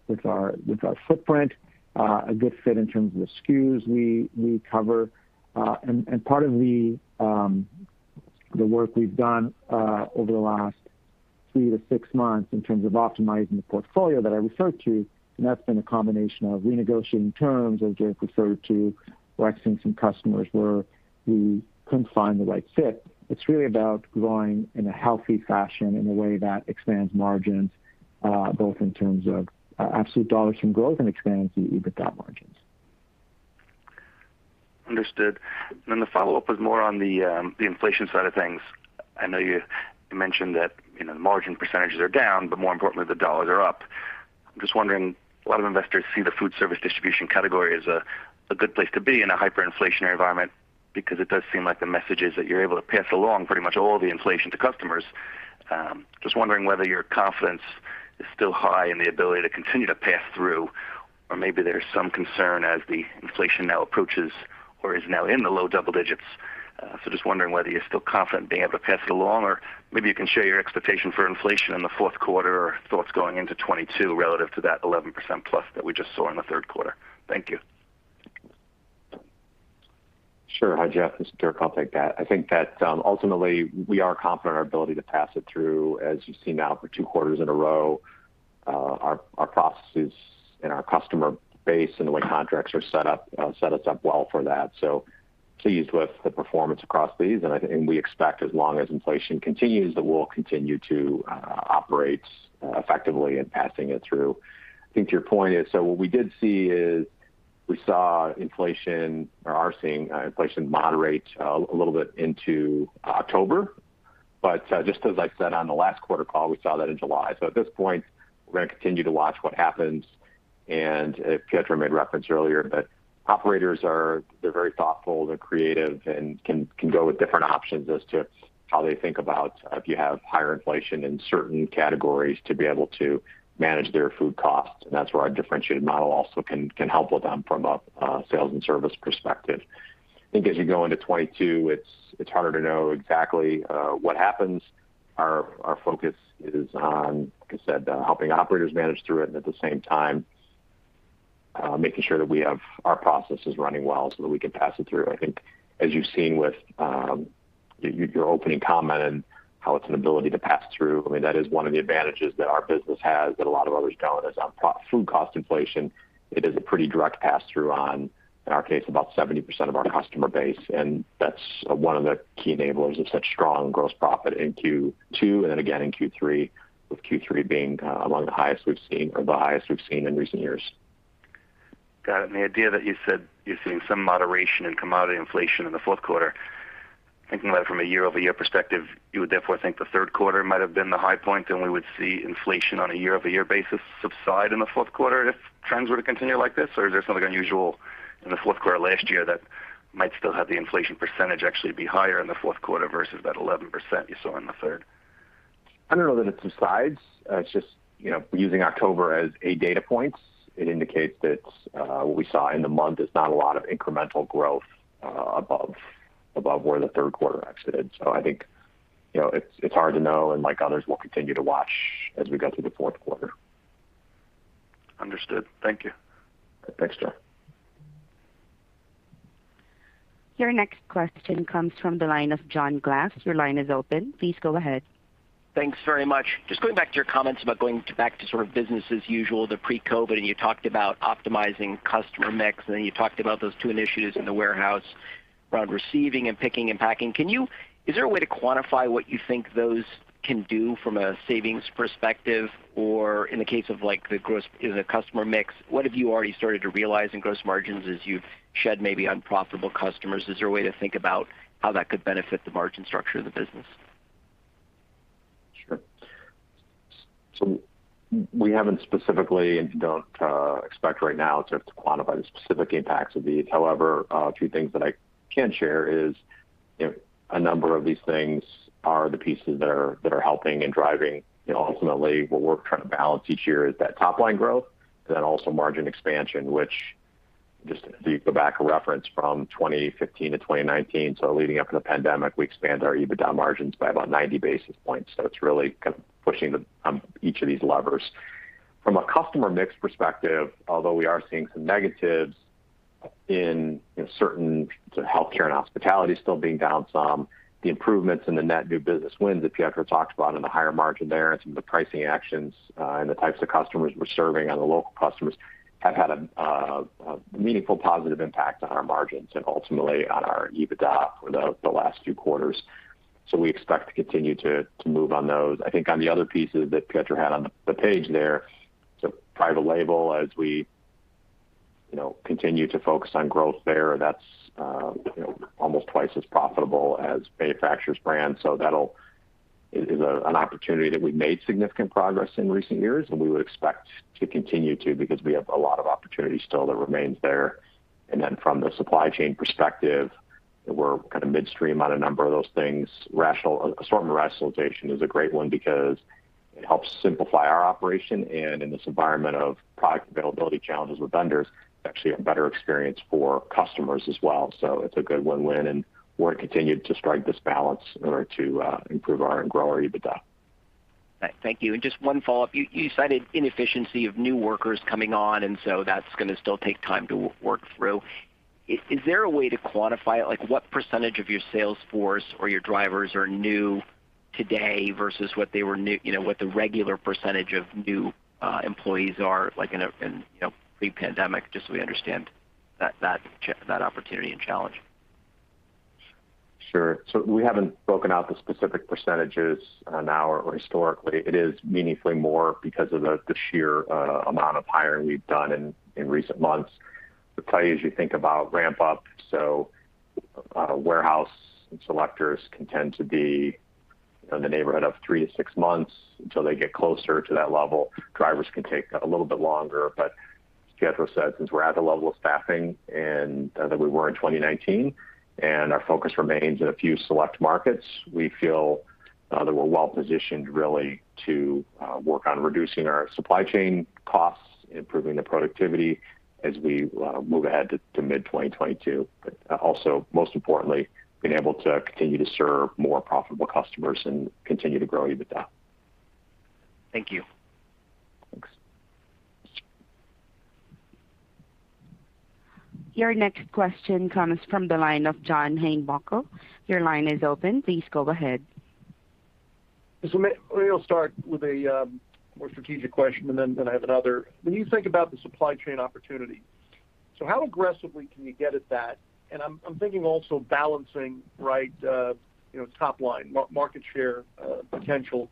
C: footprint, a good fit in terms of the SKUs we cover. Part of the work we've done over the last three to six months in terms of optimizing the portfolio that I referred to, and that's been a combination of renegotiating terms, as Jeff referred to, exiting some customers where we couldn't find the right fit. It's really about growing in a healthy fashion in a way that expands margins, both in terms of absolute dollars from growth and expands the EBITDA margin.
J: Understood. The follow-up was more on the inflation side of things. I know you mentioned that, you know, the margin percentages are down, but more importantly, the dollars are up. I'm just wondering, a lot of investors see the food service distribution category as a good place to be in a hyperinflationary environment because it does seem like the message is that you're able to pass along pretty much all the inflation to customers. Just wondering whether your confidence is still high in the ability to continue to pass through or maybe there's some concern as the inflation now approaches or is now in the low double-digitss. Just wondering whether you're still confident being able to pass it along. Maybe you can share your expectation for inflation in Q4 or thoughts going into 2022 relative to that 11% plus that we just saw in Q3. Thank you.
D: Sure. Hi, Jeff, this is Dirk Locascio. I'll take that. I think that ultimately we are confident in our ability to pass it through. As you've seen now for two quarters in a row, our processes and our customer base and the way contracts are set up set us up well for that. Pleased with the performance across these. I think we expect as long as inflation continues, that we'll continue to operate effectively in passing it through. I think to your point is so what we did see is we saw inflation or are seeing inflation moderate a little bit into October. Just as I said on the last quarter call, we saw that in July. At this point we're gonna continue to watch what happens. Pietro made reference earlier, but operators are very thoughtful, they're creative, and can go with different options as to how they think about if you have higher inflation in certain categories to be able to manage their food costs. That's where our differentiated model also can help with them from a sales and service perspective. I think as you go into 2022, it's harder to know exactly what happens. Our focus is on, like I said, helping operators manage through it and at the same time making sure that we have our processes running well so that we can pass it through. I think as you've seen with your opening comment and how it's an ability to pass through, I mean, that is one of the advantages that our business has that a lot of others don't is on food cost inflation. It is a pretty direct pass through on, in our case, about 70% of our customer base, and that's one of the key enablers of such strong gross profit in Q2 and then again in Q3, with Q3 being among the highest we've seen or the highest we've seen in recent years.
J: Got it. The idea that you said you're seeing some moderation in commodity inflation in Q4. Thinking about it from a year-over-year perspective, you would therefore think Q3 might have been the high point and we would see inflation on a year-over-year basis subside in Q4 if trends were to continue like this? Or is there something unusual in Q4 last year that might still have the inflation percentage actually be higher in Q4 versus that 11% you saw in the third?
D: I don't know that it subsides. It's just, you know, using October as a data point. It indicates that what we saw in the month is not a lot of incremental growth above where Q3 exited. I think, you know, it's hard to know. Like others, we'll continue to watch as we go through Q4.
J: Understood. Thank you.
D: Thanks, Jeff.
A: Your next question comes from the line of John Glass. Your line is open. Please go ahead.
K: Thanks very much. Just going back to your comments about going back to sort of business as usual, the pre-COVID, and you talked about optimizing customer mix, and then you talked about those two initiatives in the warehouse around receiving and picking and packing. Is there a way to quantify what you think those can do from a savings perspective? Or in the case of like in the customer mix, what have you already started to realize in gross margins as you've shed maybe unprofitable customers? Is there a way to think about how that could benefit the margin structure of the business?
D: Sure. We haven't specifically and don't expect right now to quantify the specific impacts of these. However, a few things that I can share is a number of these things are the pieces that are helping and driving. You know, ultimately, what we're trying to balance each year is that top-line growth, then also margin expansion, which just if you go back and reference from 2015 to 2019, so leading up to the pandemic, we expanded our EBITDA margins by about 90 basis points. It's really kind of pushing each of these levers. From a customer mix perspective, although we are seeing some negatives in, you know, certain healthcare and hospitality still being down some, the improvements in the net new business wins that Pietro talked about and the higher margin there and some of the pricing actions, and the types of customers we're serving on the local customers have had a meaningful positive impact on our margins and ultimately on our EBITDA for the last few quarters. We expect to continue to move on those. I think on the other pieces that Pietro had on the page there, private label as we, you know, continue to focus on growth there, that's, you know, almost twice as profitable as manufacturer's brand. It is an opportunity that we've made significant progress in recent years and we would expect to continue to because we have a lot of opportunity still that remains there. From the supply chain perspective, we're kind of midstream on a number of those things. Assortment rationalization is a great one because it helps simplify our operation and in this environment of product availability challenges with vendors, it's actually a better experience for customers as well. It's a good win-win, and we're continuing to strike this balance in order to improve and grow our EBITDA.
K: Thank you. Just one follow-up. You cited inefficiency of new workers coming on, and that's gonna still take time to work through. Is there a way to quantify it? Like what percentage of your sales force or your drivers are new today versus what they were, you know, what the regular percentage of new employees are like in a, in, you know, pre-pandemic, just so we understand that opportunity and challenge.
D: Sure. We haven't spoken out the specific percentages on our historically. It is meaningfully more because of the sheer amount of hiring we've done in recent months. To tell you as you think about ramp up, warehouse selectors can tend to be in the neighborhood of 3-6 months until they get closer to that level. Drivers can take a little bit longer. As Pietro said, since we're at the level of staffing and that we were in 2019, and our focus remains in a few select markets, we feel that we're well-positioned really to work on reducing our supply chain costs, improving the productivity as we move ahead to mid-2022. Also, most importantly, being able to continue to serve more profitable customers and continue to grow EBITDA.
K: Thank you.
C: Thanks.
A: Your next question comes from the line of John Heinbockel. Your line is open. Please go ahead.
L: Maybe I'll start with a more strategic question, and then I have another. When you think about the supply chain opportunity, how aggressively can you get at that? I'm thinking also balancing, right, you know, top-line, market share potential.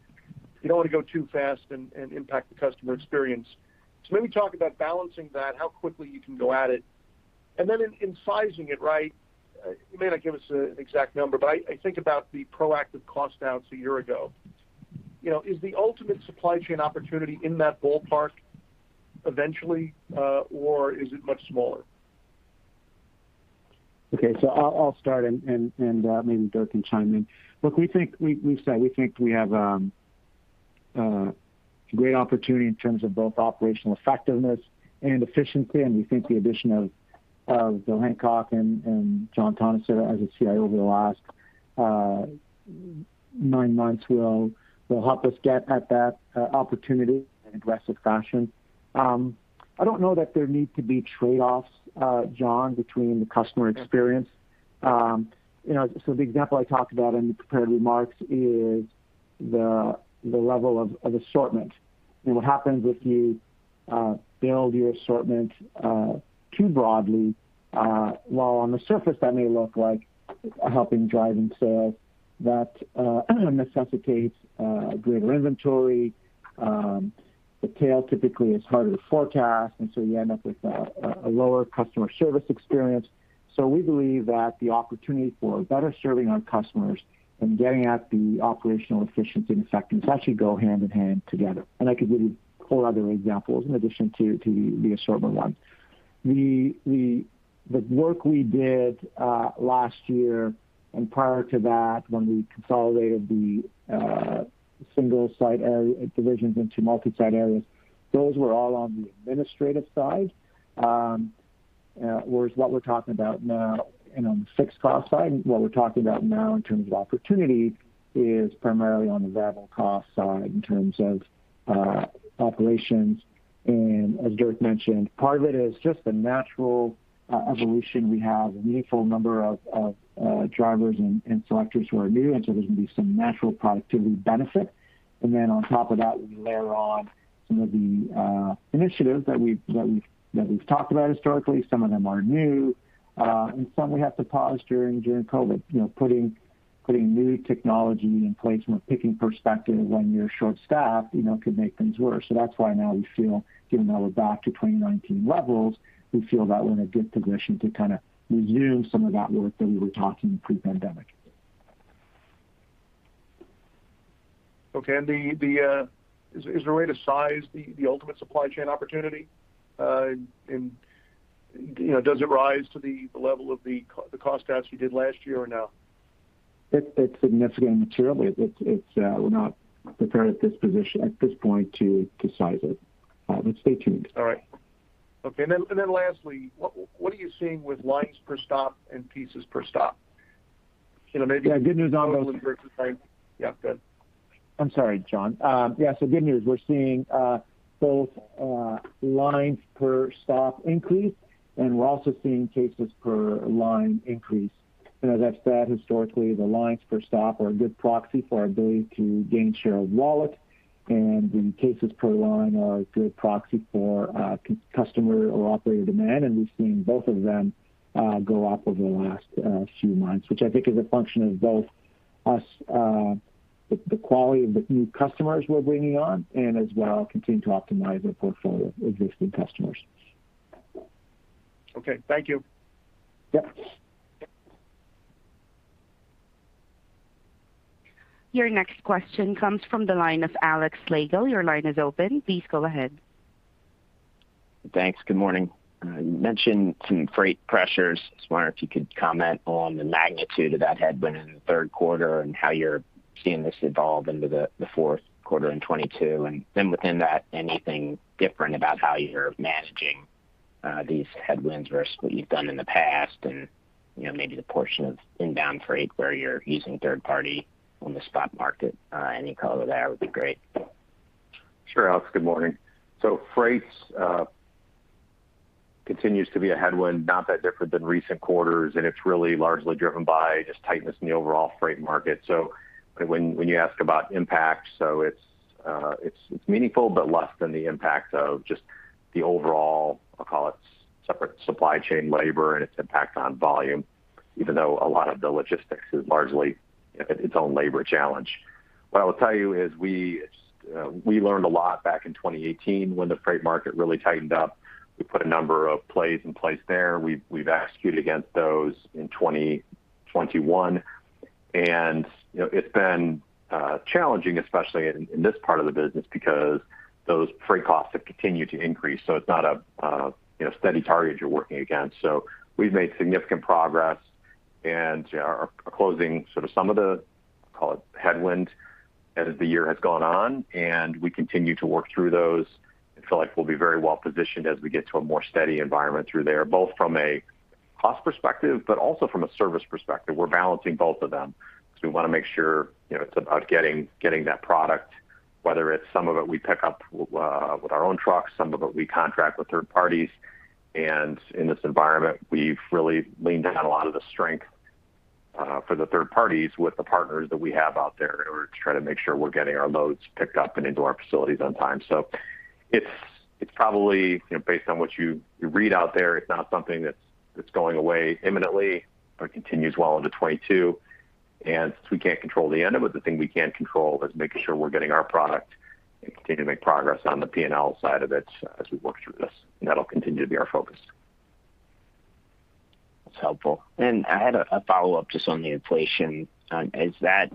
L: You don't wanna go too fast and impact the customer experience. Maybe talk about balancing that, how quickly you can go at it. Then in sizing it, right, you may not give us an exact number, but I think about the proactive cost downs a year ago. You know, is the ultimate supply chain opportunity in that ballpark eventually, or is it much smaller?
C: Okay. I'll start and maybe Dirk can chime in. Look, we think we've said we have great opportunity in terms of both operational effectiveness and efficiency, and we think the addition of Bill Hancock and John Tonnison as a CIO over the last nine months will help us get at that opportunity in an aggressive fashion. I don't know that there need to be trade-offs, John, between the customer experience. You know, the example I talked about in the prepared remarks is the level of assortment and what happens if you build your assortment too broadly, while on the surface that may look like helping drive in sales that necessitates greater inventory. The tail typically is harder to forecast, and so you end up with a lower customer service experience. We believe that the opportunity for better serving our customers and getting at the operational efficiency and effectiveness actually go hand in hand together. I could give you whole other examples in addition to the assortment one. The work we did last year and prior to that when we consolidated the single site area divisions into multi-site areas, those were all on the administrative side. Whereas what we're talking about now and on the fixed cost side, what we're talking about now in terms of opportunity is primarily on the variable cost side in terms of operations. As Dirk mentioned, part of it is just the natural evolution. We have a meaningful number of drivers and selectors who are new, and so there's gonna be some natural productivity benefit. Then on top of that, we layer on some of the initiatives that we've talked about historically. Some of them are new. Some we have to pause during COVID. You know, putting new technology in place from a picking perspective when you're short-staffed, you know, could make things worse. That's why now we feel given that we're back to 2019 levels, we feel that we're in a good position to kinda resume some of that work that we were talking pre-pandemic.
L: Okay. Is there a way to size the ultimate supply chain opportunity? You know, does it rise to the level of the cost outs you did last year or no?
C: It's significantly materially. It's, we're not prepared at this point to size it. Stay tuned.
L: All right. Okay. Lastly, what are you seeing with lines per stop and pieces per stop? You know, maybe-
C: Yeah, good news on those.
L: Yeah, go ahead.
C: I'm sorry, John. Yeah, so good news. We're seeing both lines per stop increase, and we're also seeing cases per line increase. You know, that's historically the lines per stop are a good proxy for our ability to gain share of wallet, and the cases per line are a good proxy for customer or operator demand. We've seen both of them go up over the last few months, which I think is a function of both us the quality of the new customers we're bringing on and as well continue to optimize our portfolio of existing customers.
L: Okay. Thank you.
C: Yep.
A: Your next question comes from the line of Alex Slagle. Your line is open. Please go ahead.
M: Thanks. Good morning. You mentioned some freight pressures. Just wondering if you could comment on the magnitude of that headwind in Q3 and how you're seeing this evolve into Q4 in 2022. Within that, anything different about how you're managing these headwinds versus what you've done in the past and, you know, maybe the portion of inbound freight where you're using third party on the spot market. Any color there would be great.
D: Sure, Alex. Good morning. Freight continues to be a headwind, not that different than recent quarters, and it's really largely driven by just tightness in the overall freight market. When you ask about impact, it's meaningful, but less than the impact of just the overall, I'll call it separate supply chain labor and its impact on volume, even though a lot of the logistics is largely its own labor challenge. What I will tell you is we learned a lot back in 2018 when the freight market really tightened up. We put a number of plays in place there. We've executed against those in 2021. You know, it's been challenging, especially in this part of the business because those freight costs have continued to increase. It's not you know steady target you're working against. We've made significant progress and are closing sort of some of the, call it headwind as the year has gone on, and we continue to work through those and feel like we'll be very well positioned as we get to a more steady environment through there, both from a cost perspective, but also from a service perspective. We're balancing both of them because we want to make sure, you know, it's about getting that product, whether it's some of it we pick up with our own trucks, some of it we contract with third parties. In this environment, we've really leaned on a lot of the strength for the third parties with the partners that we have out there to try to make sure we're getting our loads picked up and into our facilities on time. It's probably, you know, based on what you read out there, it's not something that's going away imminently, but continues well into 2022. Since we can't control the end of it, the thing we can control is making sure we're getting our product and continue to make progress on the P&L side of it as we work through this. That'll continue to be our focus.
M: That's helpful. I had a follow-up just on the inflation. As that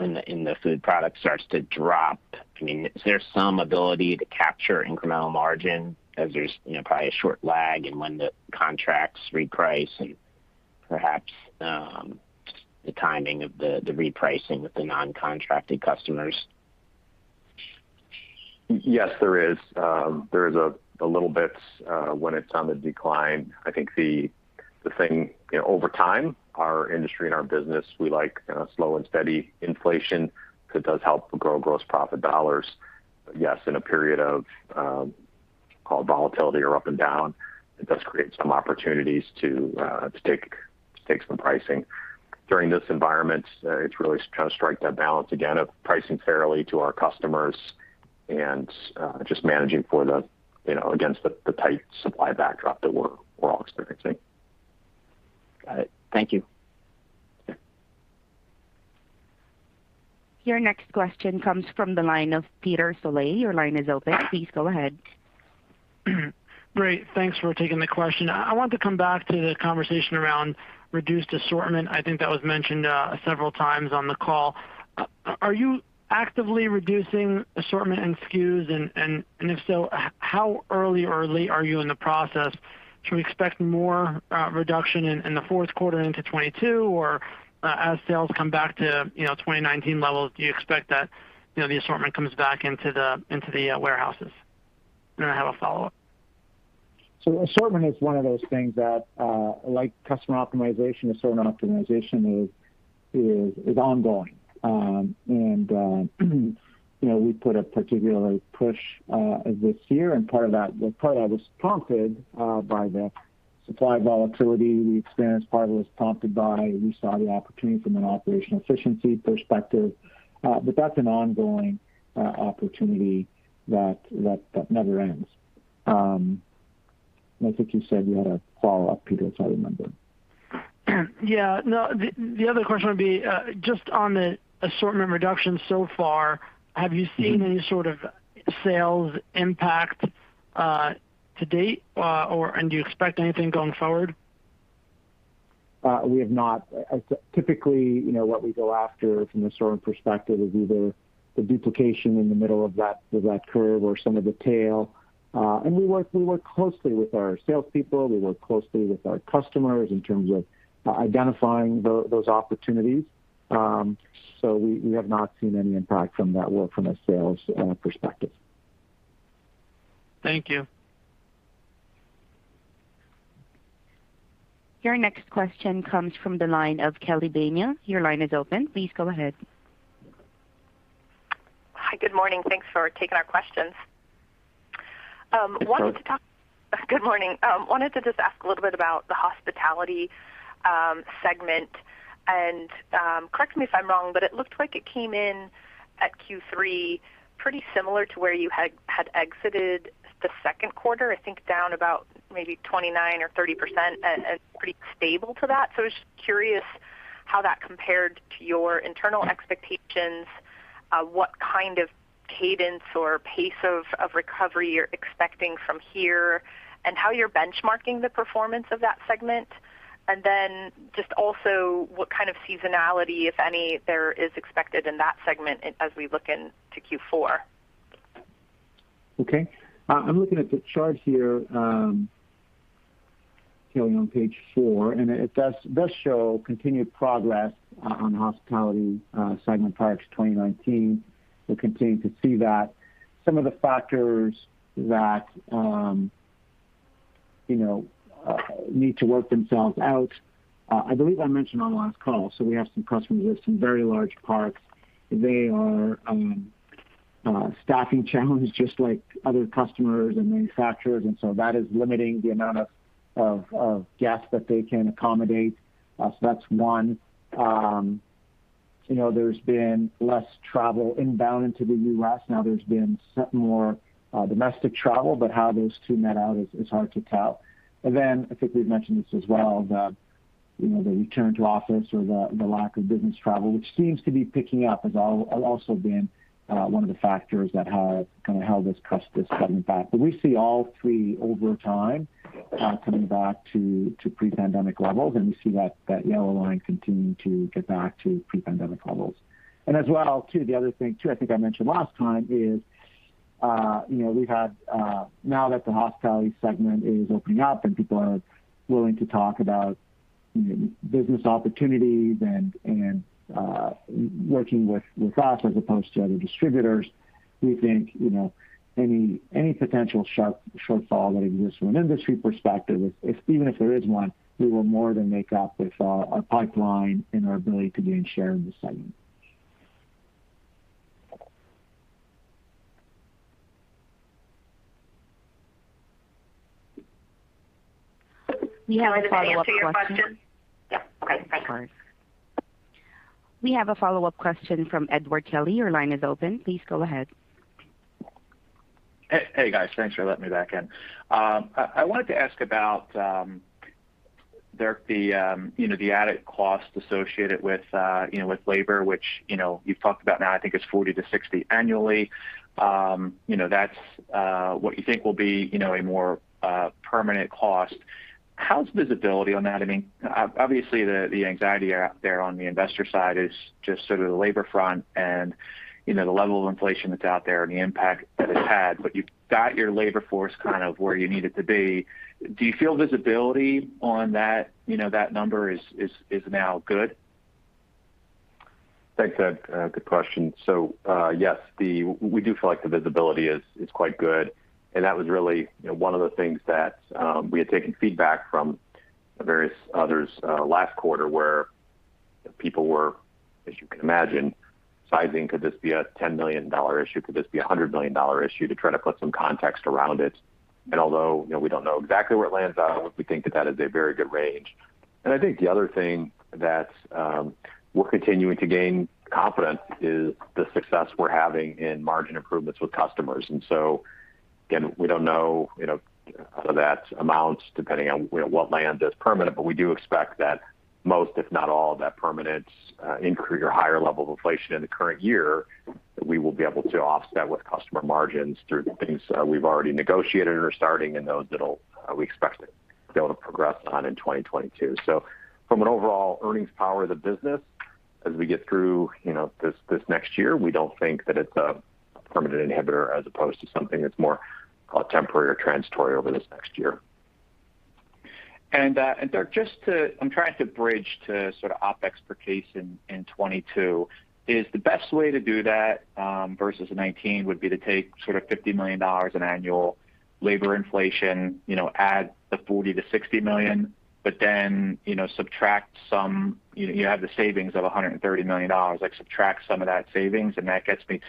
M: in the food product starts to drop, I mean, is there some ability to capture incremental margin as there's probably a short lag in when the contracts reprice and perhaps the timing of the repricing with the non-contracted customers?
D: Yes, there is. There is a little bit when it's on the decline. I think the thing, you know, over time, our industry and our business, we like slow and steady inflation because it does help grow gross profit dollars. Yes, in a period of, call it volatility or up and down, it does create some opportunities to take some pricing. During this environment, it's really kind of strike that balance again of pricing fairly to our customers and just managing for the, you know, against the tight supply backdrop that we're all experiencing.
M: Got it. Thank you.
D: Sure.
A: Your next question comes from the line of Peter Saleh. Your line is open. Please go ahead.
N: Great. Thanks for taking the question. I want to come back to the conversation around reduced assortment. I think that was mentioned, several times on the call. Are you actively reducing assortment and SKUs? If so, how early are you in the process? Should we expect more reduction in Q4 into 2022? Or, as sales come back to, you know, 2019 levels, do you expect that, you know, the assortment comes back into the warehouses? I have a follow-up.
C: Assortment is one of those things that, like customer optimization, assortment optimization is ongoing. You know, we put a particular push this year, and part of that was prompted by the supply volatility we experienced. Part of it was prompted by, we saw the opportunity from an operational efficiency perspective. That's an ongoing opportunity that never ends. I think you said you had a follow-up, Peter, as I remember.
N: Yeah. No. The other question would be just on the assortment reduction so far. Have you seen any sort of sales impact to date, and do you expect anything going forward?
C: We have not. Typically, you know, what we go after from the store perspective is either the duplication in the middle of that curve or some of the tail. We work closely with our salespeople, we work closely with our customers in terms of identifying those opportunities. We have not seen any impact from that work from a sales perspective.
N: Thank you.
A: Your next question comes from the line of Kelly Bania. Your line is open. Please go ahead.
O: Hi. Good morning. Thanks for taking our questions. Wanted to talk-
D: Good-
O: Good morning. Wanted to just ask a little bit about the hospitality segment. Correct me if I'm wrong, but it looked like it came in at Q3 pretty similar to where you had exited the Q2, I think down about maybe 29% or 30% and pretty stable to that. Just curious how that compared to your internal expectations, what kind of cadence or pace of recovery you're expecting from here, and how you're benchmarking the performance of that segment. Just also what kind of seasonality, if any, there is expected in that segment as we look into Q4.
C: Okay. I'm looking at the chart here, Kelly, on page 4, and it does show continued progress on hospitality segment prior to 2019. We'll continue to see that. Some of the factors that need to work themselves out, I believe I mentioned on last call, so we have some customers with some very large parks. They are staffing challenged just like other customers and manufacturers, and so that is limiting the amount of guests that they can accommodate. So that's one. You know, there's been less travel inbound into the U.S. now. There's been some more domestic travel, but how those two net out is hard to tell. Then I think we've mentioned this as well, you know, the return to office or the lack of business travel, which seems to be picking up, has also been one of the factors that have kind of held back this coming back. We see all three over time coming back to pre-pandemic levels, and we see that yellow line continuing to get back to pre-pandemic levels. As well, too, the other thing too, I think I mentioned last time is, you know, we have, now that the hospitality segment is opening up and people are willing to talk about, you know, business opportunities and working with us as opposed to other distributors, we think, you know, any potential shortfall that exists from an industry perspective if even if there is one, we will more than make up with our pipeline and our ability to gain share in this segment.
A: We have a follow-up question.
B: Did I answer your question? Yeah. Great. Thank you.
A: We have a follow-up question from Edward Kelly. Your line is open. Please go ahead.
E: Hey, guys. Thanks for letting me back in. I wanted to ask about, Dirk, the, you know, the added cost associated with, you know, with labor, which, you know, you've talked about now, I think it's 40-60 annually. You know, that's what you think will be, you know, a more permanent cost. How's visibility on that? I mean, obviously, the anxiety out there on the investor side is just sort of the labor front and, you know, the level of inflation that's out there and the impact that it's had. But you've got your labor force kind of where you need it to be. Do you feel visibility on that, you know, that number is now good?
D: Thanks, Ed. Good question. Yes, we do feel like the visibility is quite good. That was really, you know, one of the things that we had taken feedback from various others last quarter, where people were, as you can imagine, sizing, could this be a $10 million issue? Could this be a $100 million issue, to try to put some context around it. Although, you know, we don't know exactly where it lands on, we think that is a very good range. I think the other thing that we're continuing to gain confidence is the success we're having in margin improvements with customers. We don't know, you know, that amount depending on where what's planned is permanent, but we do expect that most, if not all, of that permanent increase or higher level of inflation in the current year, we will be able to offset with customer margins through things we've already negotiated or starting and those that'll we expect to be able to progress on in 2022. From an overall earnings power of the business, as we get through, you know, this next year, we don't think that it's a permanent inhibitor as opposed to something that's more temporary or transitory over this next year.
E: Dirk, just to I'm trying to bridge to sort of OpEx per case in 2022. Is the best way to do that versus 2019 to take sort of $50 million in annual labor inflation, you know, add the $40 million-$60 million, but then, you know, subtract some. You have the savings of $130 million, like, subtract some of that savings, and that gets me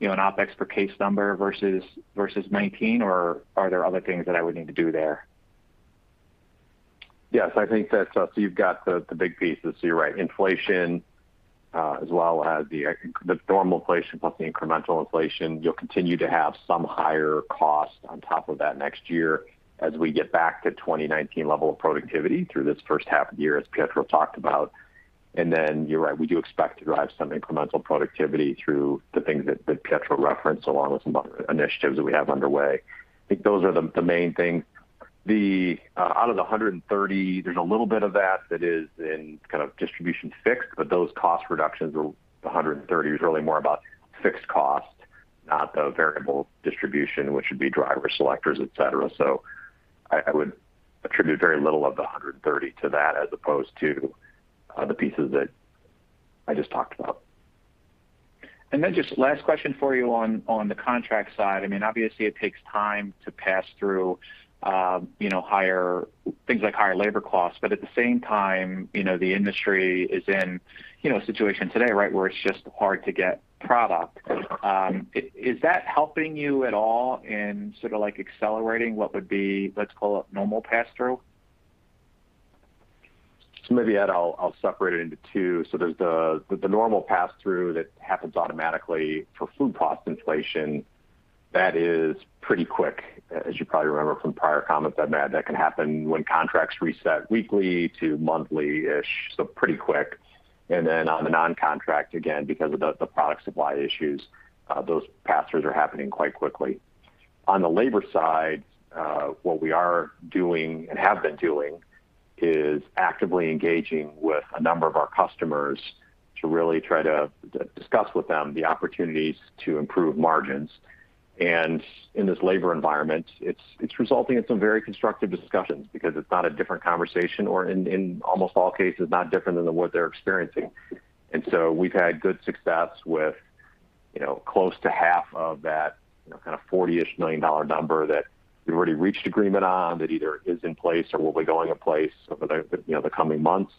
E: to, you know, an OpEx per case number versus 2019, or are there other things that I would need to do there?
D: Yes, I think that's so you've got the big pieces. You're right. Inflation, as well as, I think the normal inflation plus the incremental inflation, you'll continue to have some higher costs on top of that next year as we get back to 2019 level of productivity through this first half of the year, as Pietro talked about. Then you're right, we do expect to drive some incremental productivity through the things that Pietro referenced, along with some other initiatives that we have underway. I think those are the main things. Out of the 130, there's a little bit of that is in kind of distribution fixed, but those cost reductions, the 130, is really more about fixed cost, not the variable distribution, which would be drivers, selectors, et cetera. I would attribute very little of the 130 to that as opposed to the pieces that I just talked about.
E: Just last question for you on the contract side. I mean, obviously it takes time to pass through higher things like higher labor costs. But at the same time, the industry is in a situation today, right, where it's just hard to get product. Is that helping you at all in sort of like accelerating what would be, let's call it normal pass-through?
D: Maybe, Ed, I'll separate it into two. There's the normal pass-through that happens automatically for food cost inflation. That is pretty quick, as you probably remember from prior comments I've made. That can happen when contracts reset weekly to monthly-ish, so pretty quick. Then on the non-contract, again, because of the product supply issues, those pass-throughs are happening quite quickly. On the labor side, what we are doing and have been doing is actively engaging with a number of our customers to really try to discuss with them the opportunities to improve margins. In this labor environment, it's resulting in some very constructive discussions because it's not a different conversation or in almost all cases, not different than what they're experiencing. We've had good success with, you know, close to half of that, you know, kind of $40 million number that we've already reached agreement on that either is in place or will be going in place over the, you know, the coming months.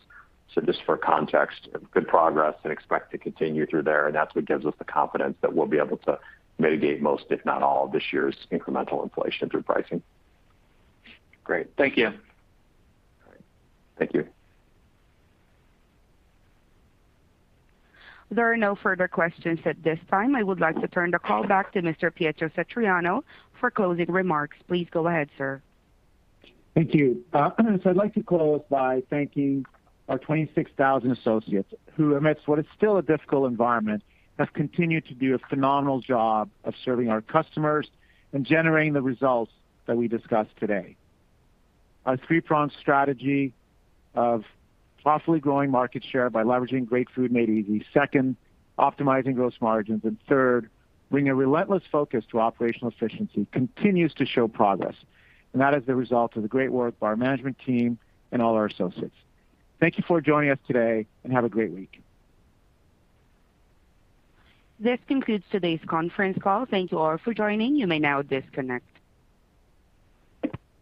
D: Just for context, good progress and expect to continue through there, and that's what gives us the confidence that we'll be able to mitigate most, if not all, of this year's incremental inflation through pricing.
E: Great. Thank you.
D: All right. Thank you.
A: There are no further questions at this time. I would like to turn the call back to Mr. Pietro Satriano for closing remarks. Please go ahead, sir.
C: Thank you. So I'd like to close by thanking our 26,000 associates who, amidst what is still a difficult environment, have continued to do a phenomenal job of serving our customers and generating the results that we discussed today. Our three-pronged strategy of powerfully growing market share by leveraging Great Food Made Easy, second, optimizing gross margins, and third, bringing a relentless focus to operational efficiency continues to show progress. That is the result of the great work of our management team and all our associates. Thank you for joining us today, and have a great week.
A: This concludes today's Conference Call. Thank you all for joining. You may now disconnect.